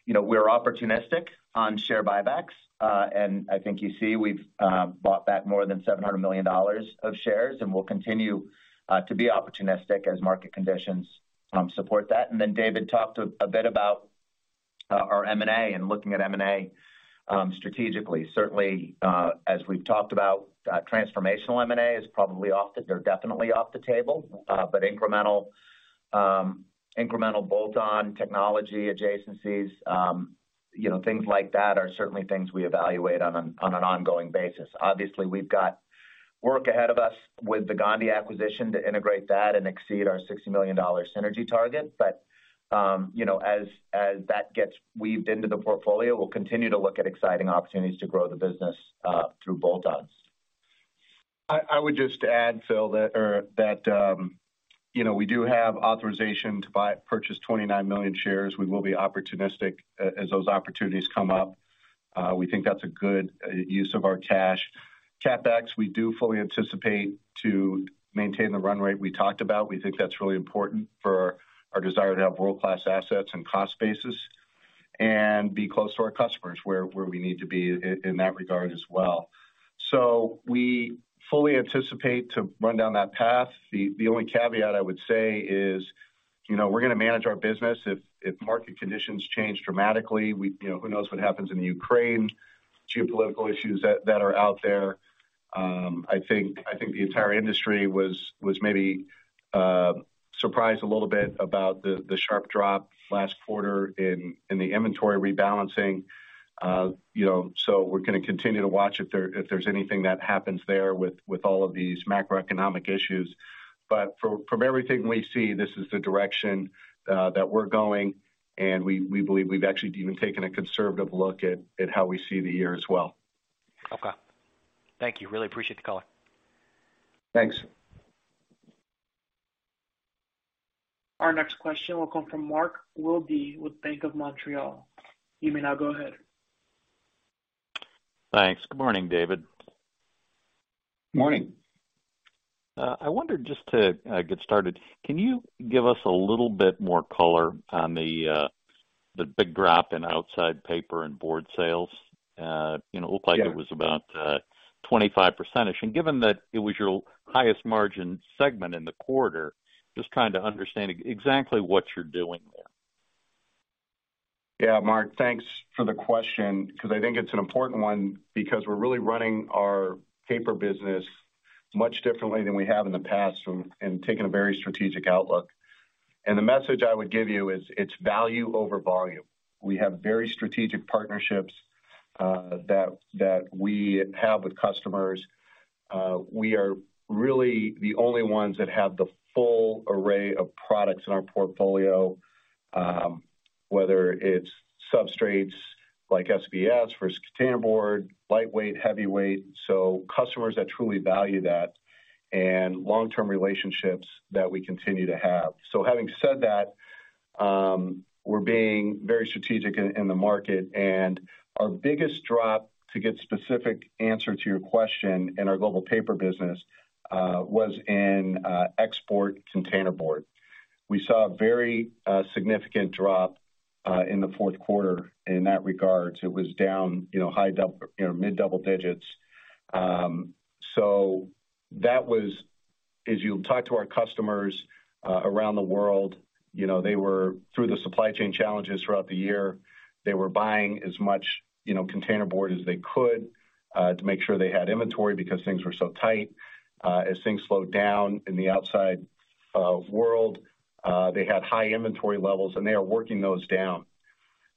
You know, we're opportunistic on share buybacks. I think you see we've bought back more than $700 million of shares, and we'll continue to be opportunistic as market conditions support that. David talked a bit about our M&A and looking at M&A strategically. Certainly, as we've talked about, transformational M&A is probably off the table. They're definitely off the table. But incremental bolt-on technology adjacencies, you know, things like that are certainly things we evaluate on an ongoing basis. Obviously, we've got work ahead of us with the Gondi acquisition to integrate that and exceed our $60 million synergy target. But, you know, as that gets weaved into the portfolio, we'll continue to look at exciting opportunities to grow the business through bolt-ons. I would just add, Phil, that, you know, we do have authorization to purchase 29 million shares. We will be opportunistic as those opportunities come up. We think that's a good use of our cash. CapEx, we do fully anticipate to maintain the run rate we talked about. We think that's really important for our desire to have world-class assets and cost bases, and be close to our customers where we need to be in that regard as well. We fully anticipate to run down that path. The only caveat I would say is, you know, we're gonna manage our business if market conditions change dramatically. You know, who knows what happens in the Ukraine, geopolitical issues that are out there. I think the entire industry was maybe surprised a little bit about the sharp drop last quarter in the inventory rebalancing. You know, we're gonna continue to watch if there's anything that happens there with all of these macroeconomic issues. From everything we see, this is the direction that we're going, and we believe we've actually even taken a conservative look at how we see the year as well. Okay. Thank you. Really appreciate the call. Thanks. Our next question will come from Mark Wilde with BMO Capital Markets. You may now go ahead. Thanks. Good morning, David. Morning. I wondered, just to get started, can you give us a little bit more color on the big drop in outside paper and board sales? You know? Yeah. It looked like it was about 25%ish. Given that it was your highest margin segment in the quarter, just trying to understand exactly what you're doing there. Yeah. Mark, thanks for the question, 'cause I think it's an important one, because we're really running our paper business much differently than we have in the past and taking a very strategic outlook. The message I would give you is it's value over volume. We have very strategic partnerships that we have with customers. We are really the only ones that have the full array of products in our portfolio, whether it's substrates like SBS for containerboard, lightweight, heavyweight, so customers that truly value that and long-term relationships that we continue to have. Having said that, we're being very strategic in the market. Our biggest drop, to give specific answer to your question, in our global paper business, was in export containerboard. We saw a very significant drop in the fourth quarter in that regard. It was down, you know, mid-double-digits. As you talk to our customers around the world, you know, they were through the supply chain challenges throughout the year. They were buying as much, you know, containerboard as they could to make sure they had inventory because things were so tight. As things slowed down in the outside world, they had high inventory levels, and they are working those down.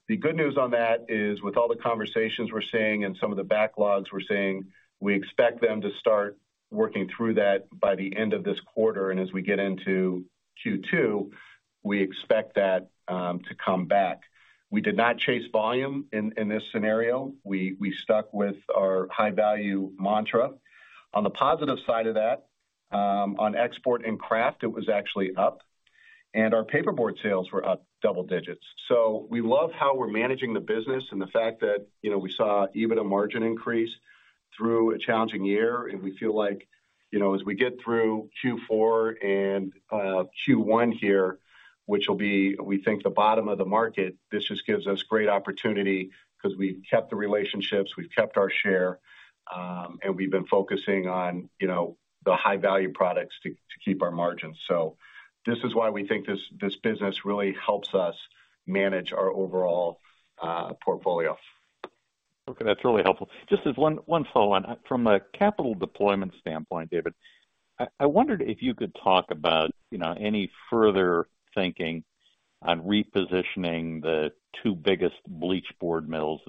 The good news on that is, with all the conversations we're seeing and some of the backlogs we're seeing, we expect them to start working through that by the end of this quarter. As we get into Q2, we expect that to come back. We did not chase volume in this scenario. We stuck with our high-value mantra. On the positive side of that, on export and kraft, it was actually up, and our paperboard sales were up double-digits. We love how we're managing the business and the fact that, you know, we saw even a margin increase through a challenging year. We feel like, you know, as we get through Q4 and Q1 here, which will be, we think, the bottom of the market, this just gives us great opportunity 'cause we've kept the relationships, we've kept our share, and we've been focusing on, you know, the high-value products to keep our margins. This is why we think this business really helps us manage our overall portfolio. Okay. That's really helpful. Just as one follow-on. From a capital deployment standpoint, David, I wondered if you could talk about, you know, any further thinking on repositioning the two biggest bleached board mills,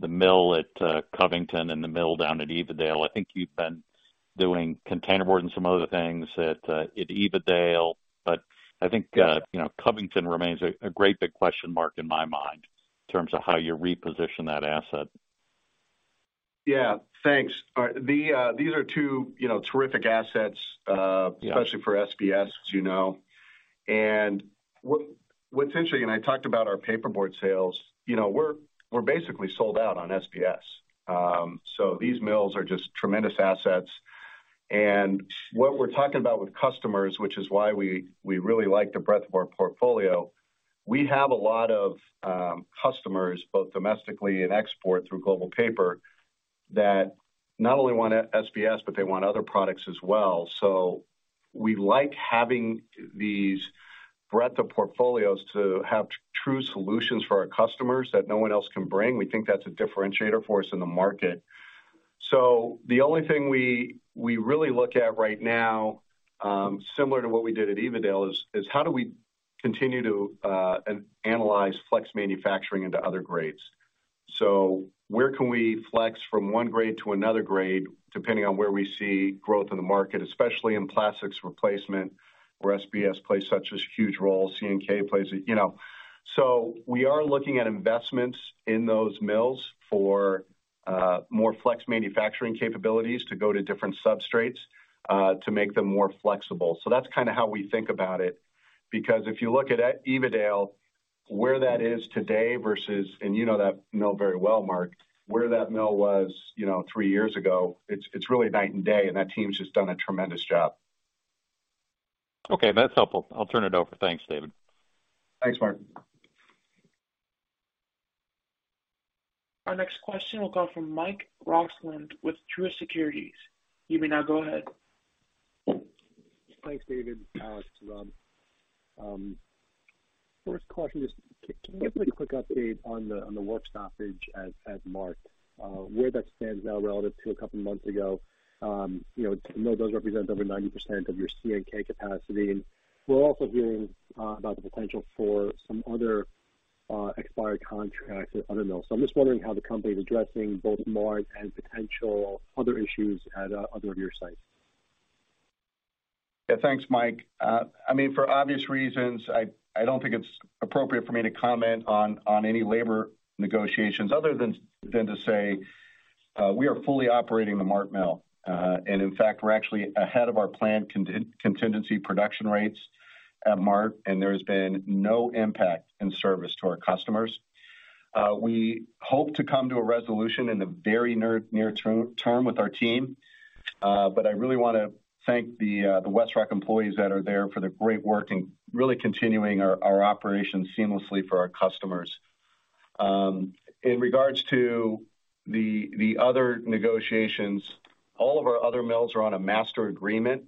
the mill at Covington and the mill down at Evadale. I think you've been doing containerboard and some other things at Evadale, but I think, you know, Covington remains a great big question mark in my mind in terms of how you reposition that asset. Yeah. Thanks. All right. These are two, you know, terrific assets. Yeah. Especially for SBS, as you know. What's interesting, and I talked about our paperboard sales, you know, we're basically sold out on SBS. These mills are just tremendous assets. What we're talking about with customers, which is why we really like the breadth of our portfolio, we have a lot of customers, both domestically and export through Global Paper, that not only want SBS, but they want other products as well. We like having these breadth of portfolios to have true solutions for our customers that no one else can bring. We think that's a differentiator for us in the market. The only thing we really look at right now, similar to what we did at Evadale, is how do we continue to analyze flex manufacturing into other grades? Where can we flex from one grade to another grade depending on where we see growth in the market, especially in plastics replacement where SBS plays such a huge role, CNK plays a role. You know. We are looking at investments in those mills for more flex manufacturing capabilities to go to different substrates to make them more flexible. That's kind of how we think about it, because if you look at Evadale, where that is today versus, and you know that mill very well, Mark, where that mill was, you know, three years ago, it's really night and day, and that team's just done a tremendous job. Okay, that's helpful. I'll turn it over. Thanks, David. Thanks, Mark. Our next question will come from Mike Roxland with Truist Securities. You may now go ahead. Thanks, David. Alex, first question is can you give me a quick update on the work stoppage at Mahrt, where that stands now relative to a couple months ago? You know, the mill does represent over 90% of your CNK capacity, and we're also hearing about the potential for some other expired contracts at other mills. I'm just wondering how the company is addressing both Mahrt and potential other issues at other of your sites. Yeah, thanks, Mike. I mean, for obvious reasons, I don't think it's appropriate for me to comment on any labor negotiations other than to say, we are fully operating the Mahrt Mill. In fact, we're actually ahead of our planned contingency production rates at Mahrt, and there has been no impact in service to our customers. We hope to come to a resolution in the very near-term with our team. I really wanna thank the WestRock employees that are there for their great work in really continuing our operations seamlessly for our customers. In regards to the other negotiations, all of our other mills are on a master agreement.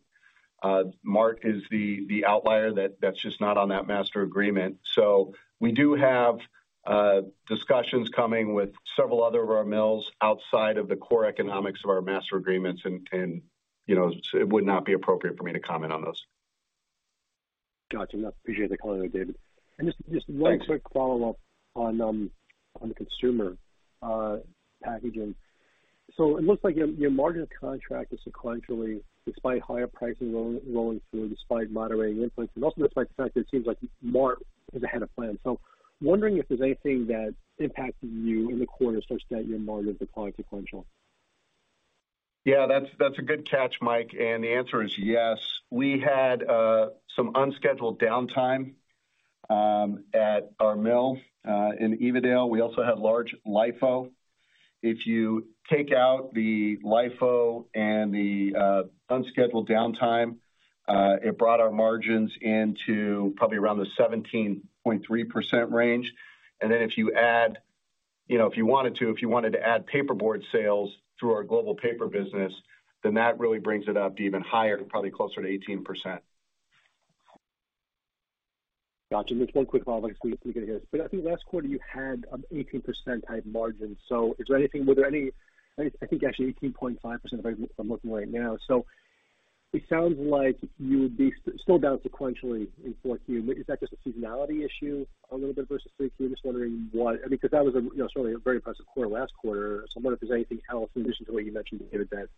Mahrt is the outlier that's just not on that master agreement. We do have discussions coming with several other of our mills outside of the core economics of our master agreements, and you know it would not be appropriate for me to comment on those. Got you. I appreciate the color there, David. Just one quick follow-up on the consumer packaging. It looks like your margin contraction is sequentially despite higher pricing flowing through, despite moderating inputs, and also despite the fact that it seems like Mahrt is ahead of plan. Wondering if there's anything that impacted you in the quarter such that your margins declined sequentially. Yeah, that's a good catch, Mike. The answer is yes. We had some unscheduled downtime at our mill in Evadale. We also had large LIFO. If you take out the LIFO and the unscheduled downtime, it brought our margins into probably around the 17.3% range. Then if you add, you know, if you wanted to add paperboard sales through our global paper business, then that really brings it up to even higher, probably closer to 18%. Got you. Just one quick follow-up as we get here. I think last quarter you had 18% EBITDA margin. Is there anything? I think actually 18.5%, if I'm looking right now. It sounds like you would be still down sequentially in 4Q. Is that just a seasonality issue a little bit versus 3Q? I'm just wondering why. I mean, 'cause that was, you know, certainly a very impressive quarter last quarter. I wonder if there's anything else in addition to what you mentioned here that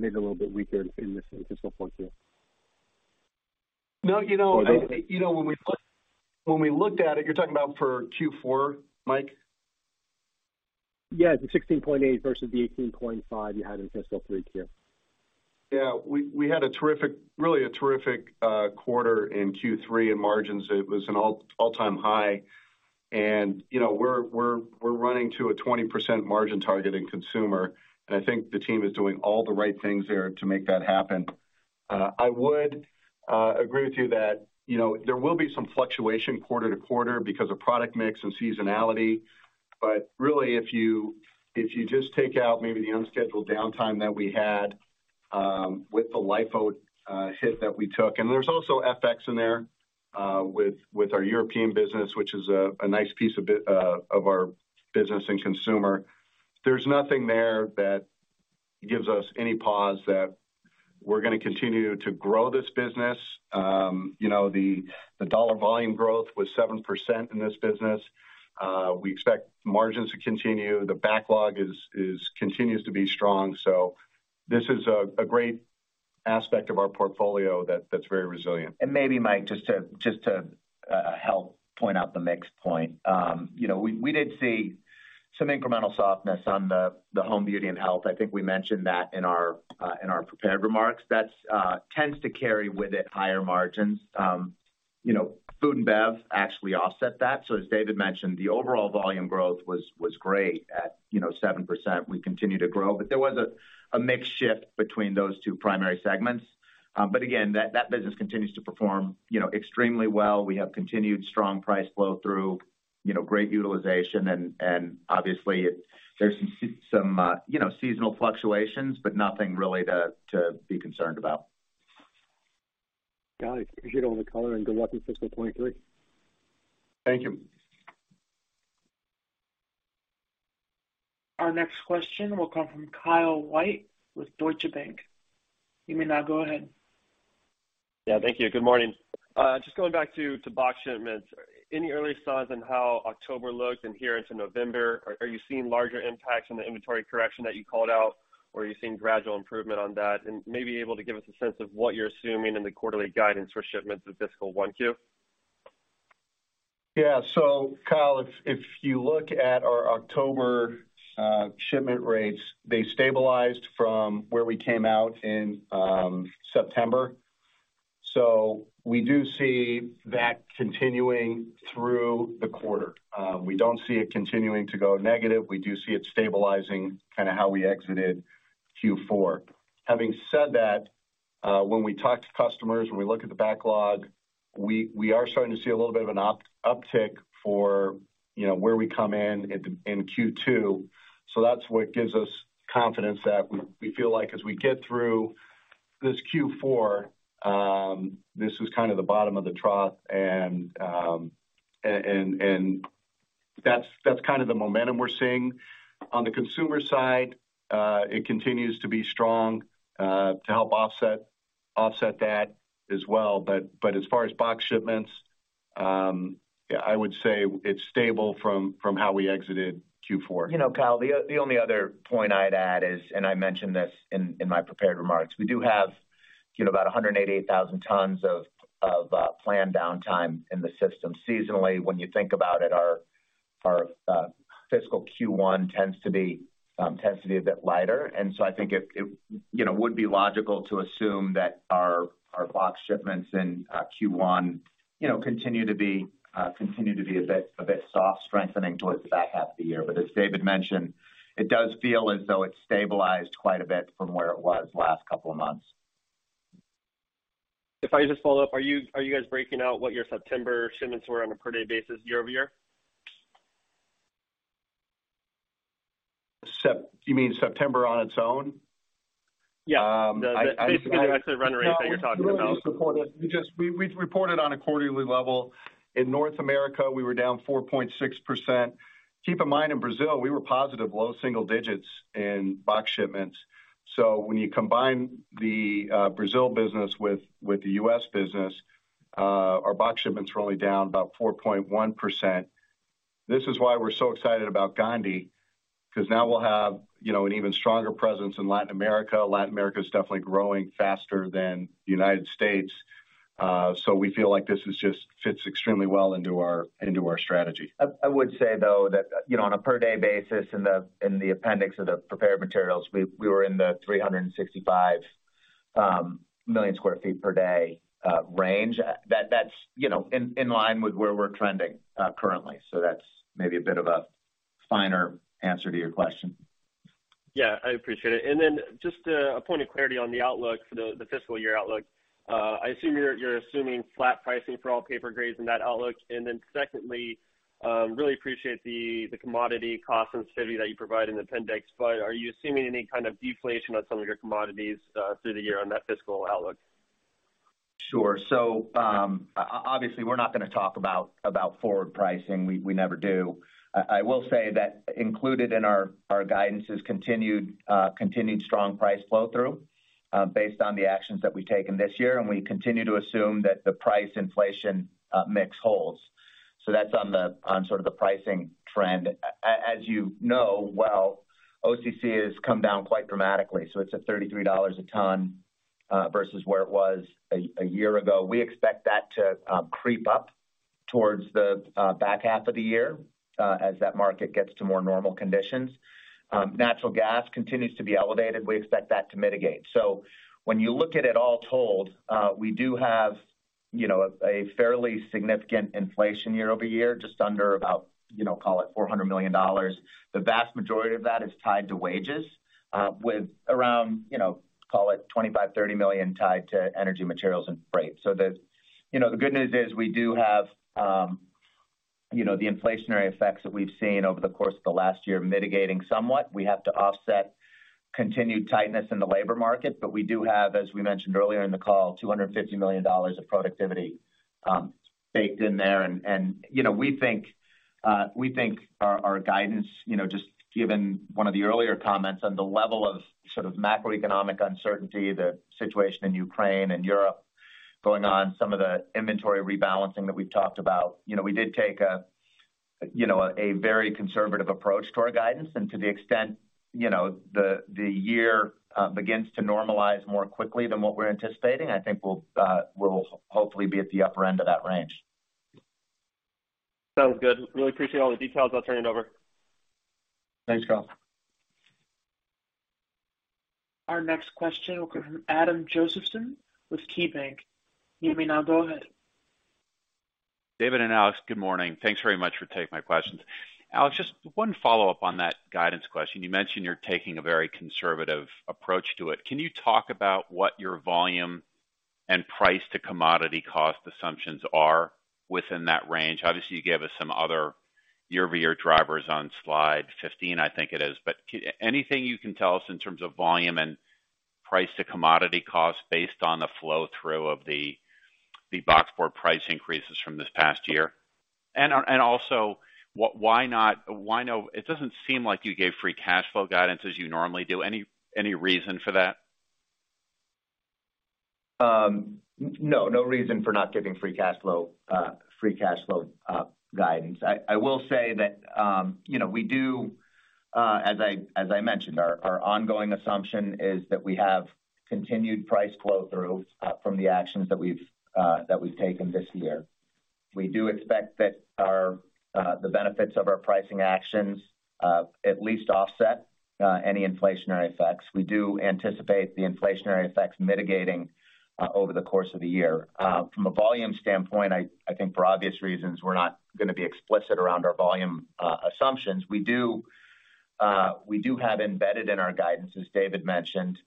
maybe a little bit weaker in this fourth quarter. No, you know. You know, when we looked at it, you're talking about for Q4, Mike? Yeah. The 16.8 versus the 18.5 you had in fiscal 3Q. Yeah, we had a terrific, really a terrific quarter in Q3 in margins. It was an all-time high. You know, we're running to a 20% margin target in consumer, and I think the team is doing all the right things there to make that happen. I would agree with you that, you know, there will be some fluctuation quarter-to-quarter because of product mix and seasonality. Really, if you just take out maybe the unscheduled downtime that we had with the LIFO hit that we took, and there's also FX in there with our European business, which is a nice piece of our business in consumer. There's nothing there that gives us any pause that we're gonna continue to grow this business. You know, the dollar volume growth was 7% in this business. We expect margins to continue. The backlog continues to be strong. This is a great aspect of our portfolio that's very resilient. Maybe, Mike, just to help point out the mix point. You know, we did see some incremental softness on the home beauty and health. I think we mentioned that in our prepared remarks. That tends to carry with it higher margins. You know, food and beverage actually offset that. As David mentioned, the overall volume growth was great at 7%. We continue to grow. There was a mix shift between those two primary segments. But again, that business continues to perform extremely well. We have continued strong price flow through, you know, great utilization, and obviously there's some seasonal fluctuations, but nothing really to be concerned about. Got it. Appreciate all the color and good luck in fiscal 2023. Thank you. Our next question will come from Kyle White with Deutsche Bank. You may now go ahead. Yeah, thank you. Good morning. Just going back to box shipments. Any early signs on how October looks and here into November? Are you seeing larger impacts on the inventory correction that you called out or are you seeing gradual improvement on that? Maybe able to give us a sense of what you're assuming in the quarterly guidance for shipments of fiscal one Q. Yeah. Kyle, if you look at our October shipment rates, they stabilized from where we came out in September. We do see that continuing through the quarter. We don't see it continuing to go negative. We do see it stabilizing kind of how we exited Q4. Having said that, when we talk to customers, when we look at the backlog, we are starting to see a little bit of an uptick for, you know, where we come in in Q2. That's what gives us confidence that we feel like as we get through this Q4, this was kind of the bottom of the trough. That's kind of the momentum we're seeing. On the consumer side, it continues to be strong to help offset that as well. As far as box shipments, yeah, I would say it's stable from how we exited Q4. You know, Kyle, the only other point I'd add is, and I mentioned this in my prepared remarks, we do have, you know, about 188,000 tons of planned downtime in the system. Seasonally, when you think about it, our fiscal Q1 tends to be a bit lighter. I think it, you know, would be logical to assume that our box shipments in Q1 continue to be a bit soft, strengthening towards the back half of the year. As David mentioned, it does feel as though it's stabilized quite a bit from where it was last couple of months. If I just follow up, are you guys breaking out what your September shipments were on a per day basis year over year? You mean September on its own? Yeah. Um, I- Basically the exit run rate that you're talking about. No, we've reported on a quarterly level. In North America, we were down 4.6%. Keep in mind, in Brazil, we were positive, low-single digits in box shipments. When you combine the Brazil business with the US business, our box shipments were only down about 4.1%. This is why we're so excited about Gondi, because now we'll have, you know, an even stronger presence in Latin America. Latin America is definitely growing faster than the United States. We feel like this fits extremely well into our strategy. I would say though that, you know, on a per day basis in the appendix of the prepared materials, we were in the 365 million sq ft per day range. That's, you know, in line with where we're trending currently. That's maybe a bit of a finer answer to your question. Yeah, I appreciate it. Then just a point of clarity on the outlook for the fiscal year outlook. I assume you're assuming flat pricing for all paper grades in that outlook. Then secondly, really appreciate the commodity cost sensitivity that you provide in the appendix. Are you assuming any kind of deflation on some of your commodities through the year on that fiscal outlook? Sure. Obviously, we're not gonna talk about forward pricing. We never do. I will say that included in our guidance is continued strong price flow through, based on the actions that we've taken this year, and we continue to assume that the price inflation mix holds. That's on sort of the pricing trend. As you know well, OCC has come down quite dramatically. It's at $33 a ton versus where it was a year ago. We expect that to creep up towards the back half of the year as that market gets to more normal conditions. Natural gas continues to be elevated. We expect that to mitigate. When you look at it all told, we do have, you know, a fairly significant inflation year-over-year, just under about, you know, call it $400 million. The vast majority of that is tied to wages, with around, you know, call it $25-$30 million tied to energy materials and freight. The good news is we do have, you know, the inflationary effects that we've seen over the course of the last year mitigating somewhat. We have to offset continued tightness in the labor market, but we do have, as we mentioned earlier in the call, $250 million of productivity baked in there. You know, we think our guidance, you know, just given one of the earlier comments on the level of sort of macroeconomic uncertainty, the situation in Ukraine and Europe going on, some of the inventory rebalancing that we've talked about. You know, we did take a you know, a very conservative approach to our guidance. To the extent, you know, the year begins to normalize more quickly than what we're anticipating, I think we'll hopefully be at the upper end of that range. Sounds good. Really appreciate all the details. I'll turn it over. Thanks, Kyle. Our next question will come from Adam Josephson with KeyBanc Capital Markets. You may now go ahead. David and Alex, good morning. Thanks very much for taking my questions. Alex, just one follow-up on that guidance question. You mentioned you're taking a very conservative approach to it. Can you talk about what your volume and price to commodity cost assumptions are within that range? Obviously, you gave us some year-over-year drivers on slide 15, I think it is. Anything you can tell us in terms of volume and price to commodity costs based on the flow through of the boxboard price increases from this past year? Also, why not? It doesn't seem like you gave free cash flow guidance as you normally do. Any reason for that? No reason for not giving free cash flow guidance. I will say that, you know, we do, as I mentioned, our ongoing assumption is that we have continued price flow through from the actions that we've taken this year. We do expect that the benefits of our pricing actions at least offset any inflationary effects. We do anticipate the inflationary effects mitigating over the course of the year. From a volume standpoint, I think for obvious reasons we're not gonna be explicit around our volume assumptions. We do have embedded in our guidance, as David mentioned,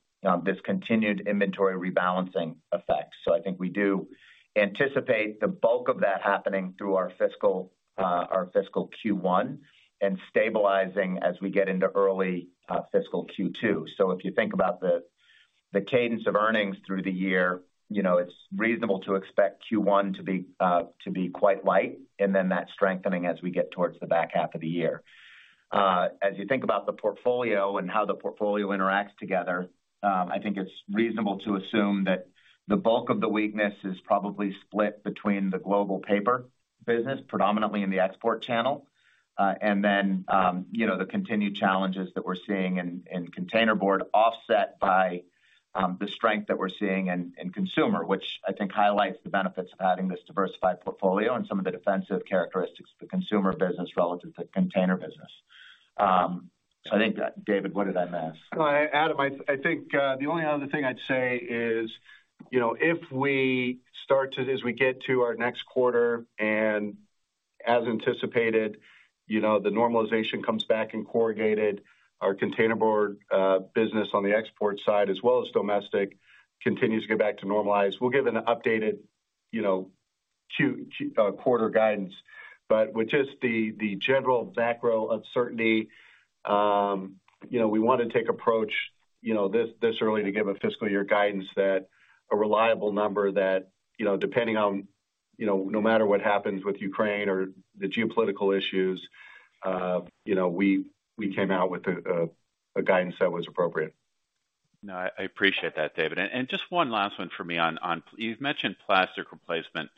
this continued inventory rebalancing effect. I think we do anticipate the bulk of that happening through our fiscal Q1 and stabilizing as we get into early fiscal Q2. If you think about the cadence of earnings through the year, you know, it's reasonable to expect Q1 to be quite light, and then that strengthening as we get towards the back half of the year. As you think about the portfolio and how the portfolio interacts together, I think it's reasonable to assume that the bulk of the weakness is probably split between the global paper business, predominantly in the export channel. You know, the continued challenges that we're seeing in containerboard offset by the strength that we're seeing in consumer, which I think highlights the benefits of having this diversified portfolio and some of the defensive characteristics of the consumer business relative to container business. I think that David, what did I miss? Well, Adam, I think the only other thing I'd say is, you know, if we start to, as we get to our next quarter and as anticipated, you know, the normalization comes back in corrugated, our containerboard business on the export side as well as domestic continues to get back to normal. We'll give an updated, you know, quarter-over-quarter guidance. With just the general macro uncertainty, you know, we wanna take approach, you know, this early to give a fiscal year guidance that's a reliable number that, you know, depending on, you know, no matter what happens with Ukraine or the geopolitical issues, you know, we came out with a guidance that was appropriate. No, I appreciate that, David. Just one last one for me on. You've mentioned plastic replacement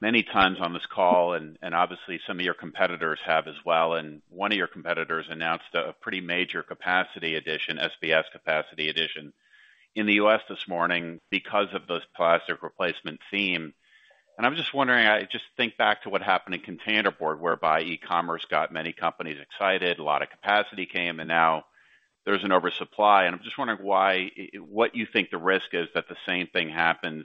many times on this call, and obviously some of your competitors have as well. One of your competitors announced a pretty major capacity addition, SBS capacity addition in the US this morning because of this plastic replacement theme. I was just wondering, I just think back to what happened in containerboard, whereby e-commerce got many companies excited, a lot of capacity came, and now there's an oversupply. I'm just wondering why, what you think the risk is that the same thing happens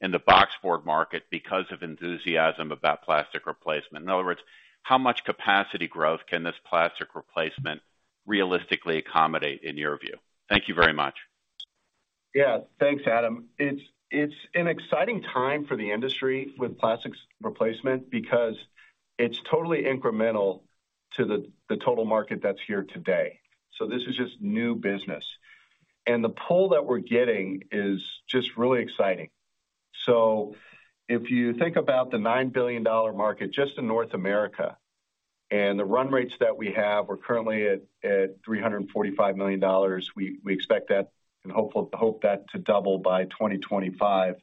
in the boxboard market because of enthusiasm about plastic replacement. In other words, how much capacity growth can this plastic replacement realistically accommodate, in your view? Thank you very much. Yeah. Thanks, Adam. It's an exciting time for the industry with plastics replacement because it's totally incremental to the total market that's here today. This is just new business. The pull that we're getting is just really exciting. If you think about the $9 billion market just in North America and the run rates that we have, we're currently at $345 million. We expect that and hope that to double by 2025.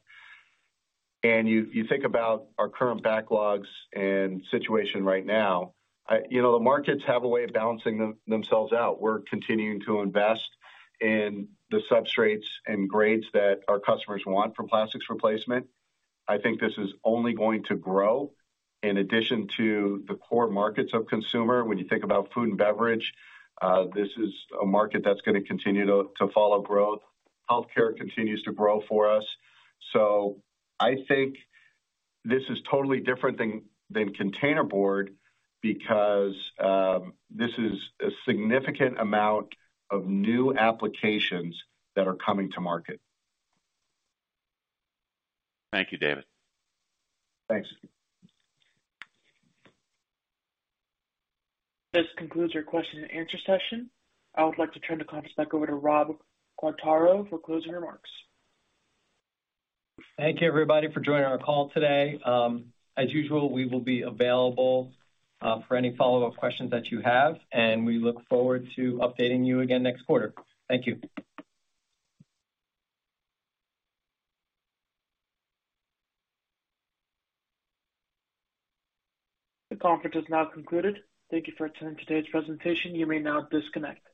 You think about our current backlogs and situation right now, you know, the markets have a way of balancing themselves out. We're continuing to invest in the substrates and grades that our customers want for plastics replacement. I think this is only going to grow in addition to the core markets of consumer. When you think about food and beverage, this is a market that's gonna continue to follow growth. Healthcare continues to grow for us. I think this is totally different than containerboard because this is a significant amount of new applications that are coming to market. Thank you, David. Thanks. This concludes our question and answer session. I would like to turn the conference back over to Rob Quartaro for closing remarks. Thank you, everybody, for joining our call today. As usual, we will be available for any follow-up questions that you have, and we look forward to updating you again next quarter. Thank you. The conference is now concluded. Thank you for attending today's presentation. You may now disconnect.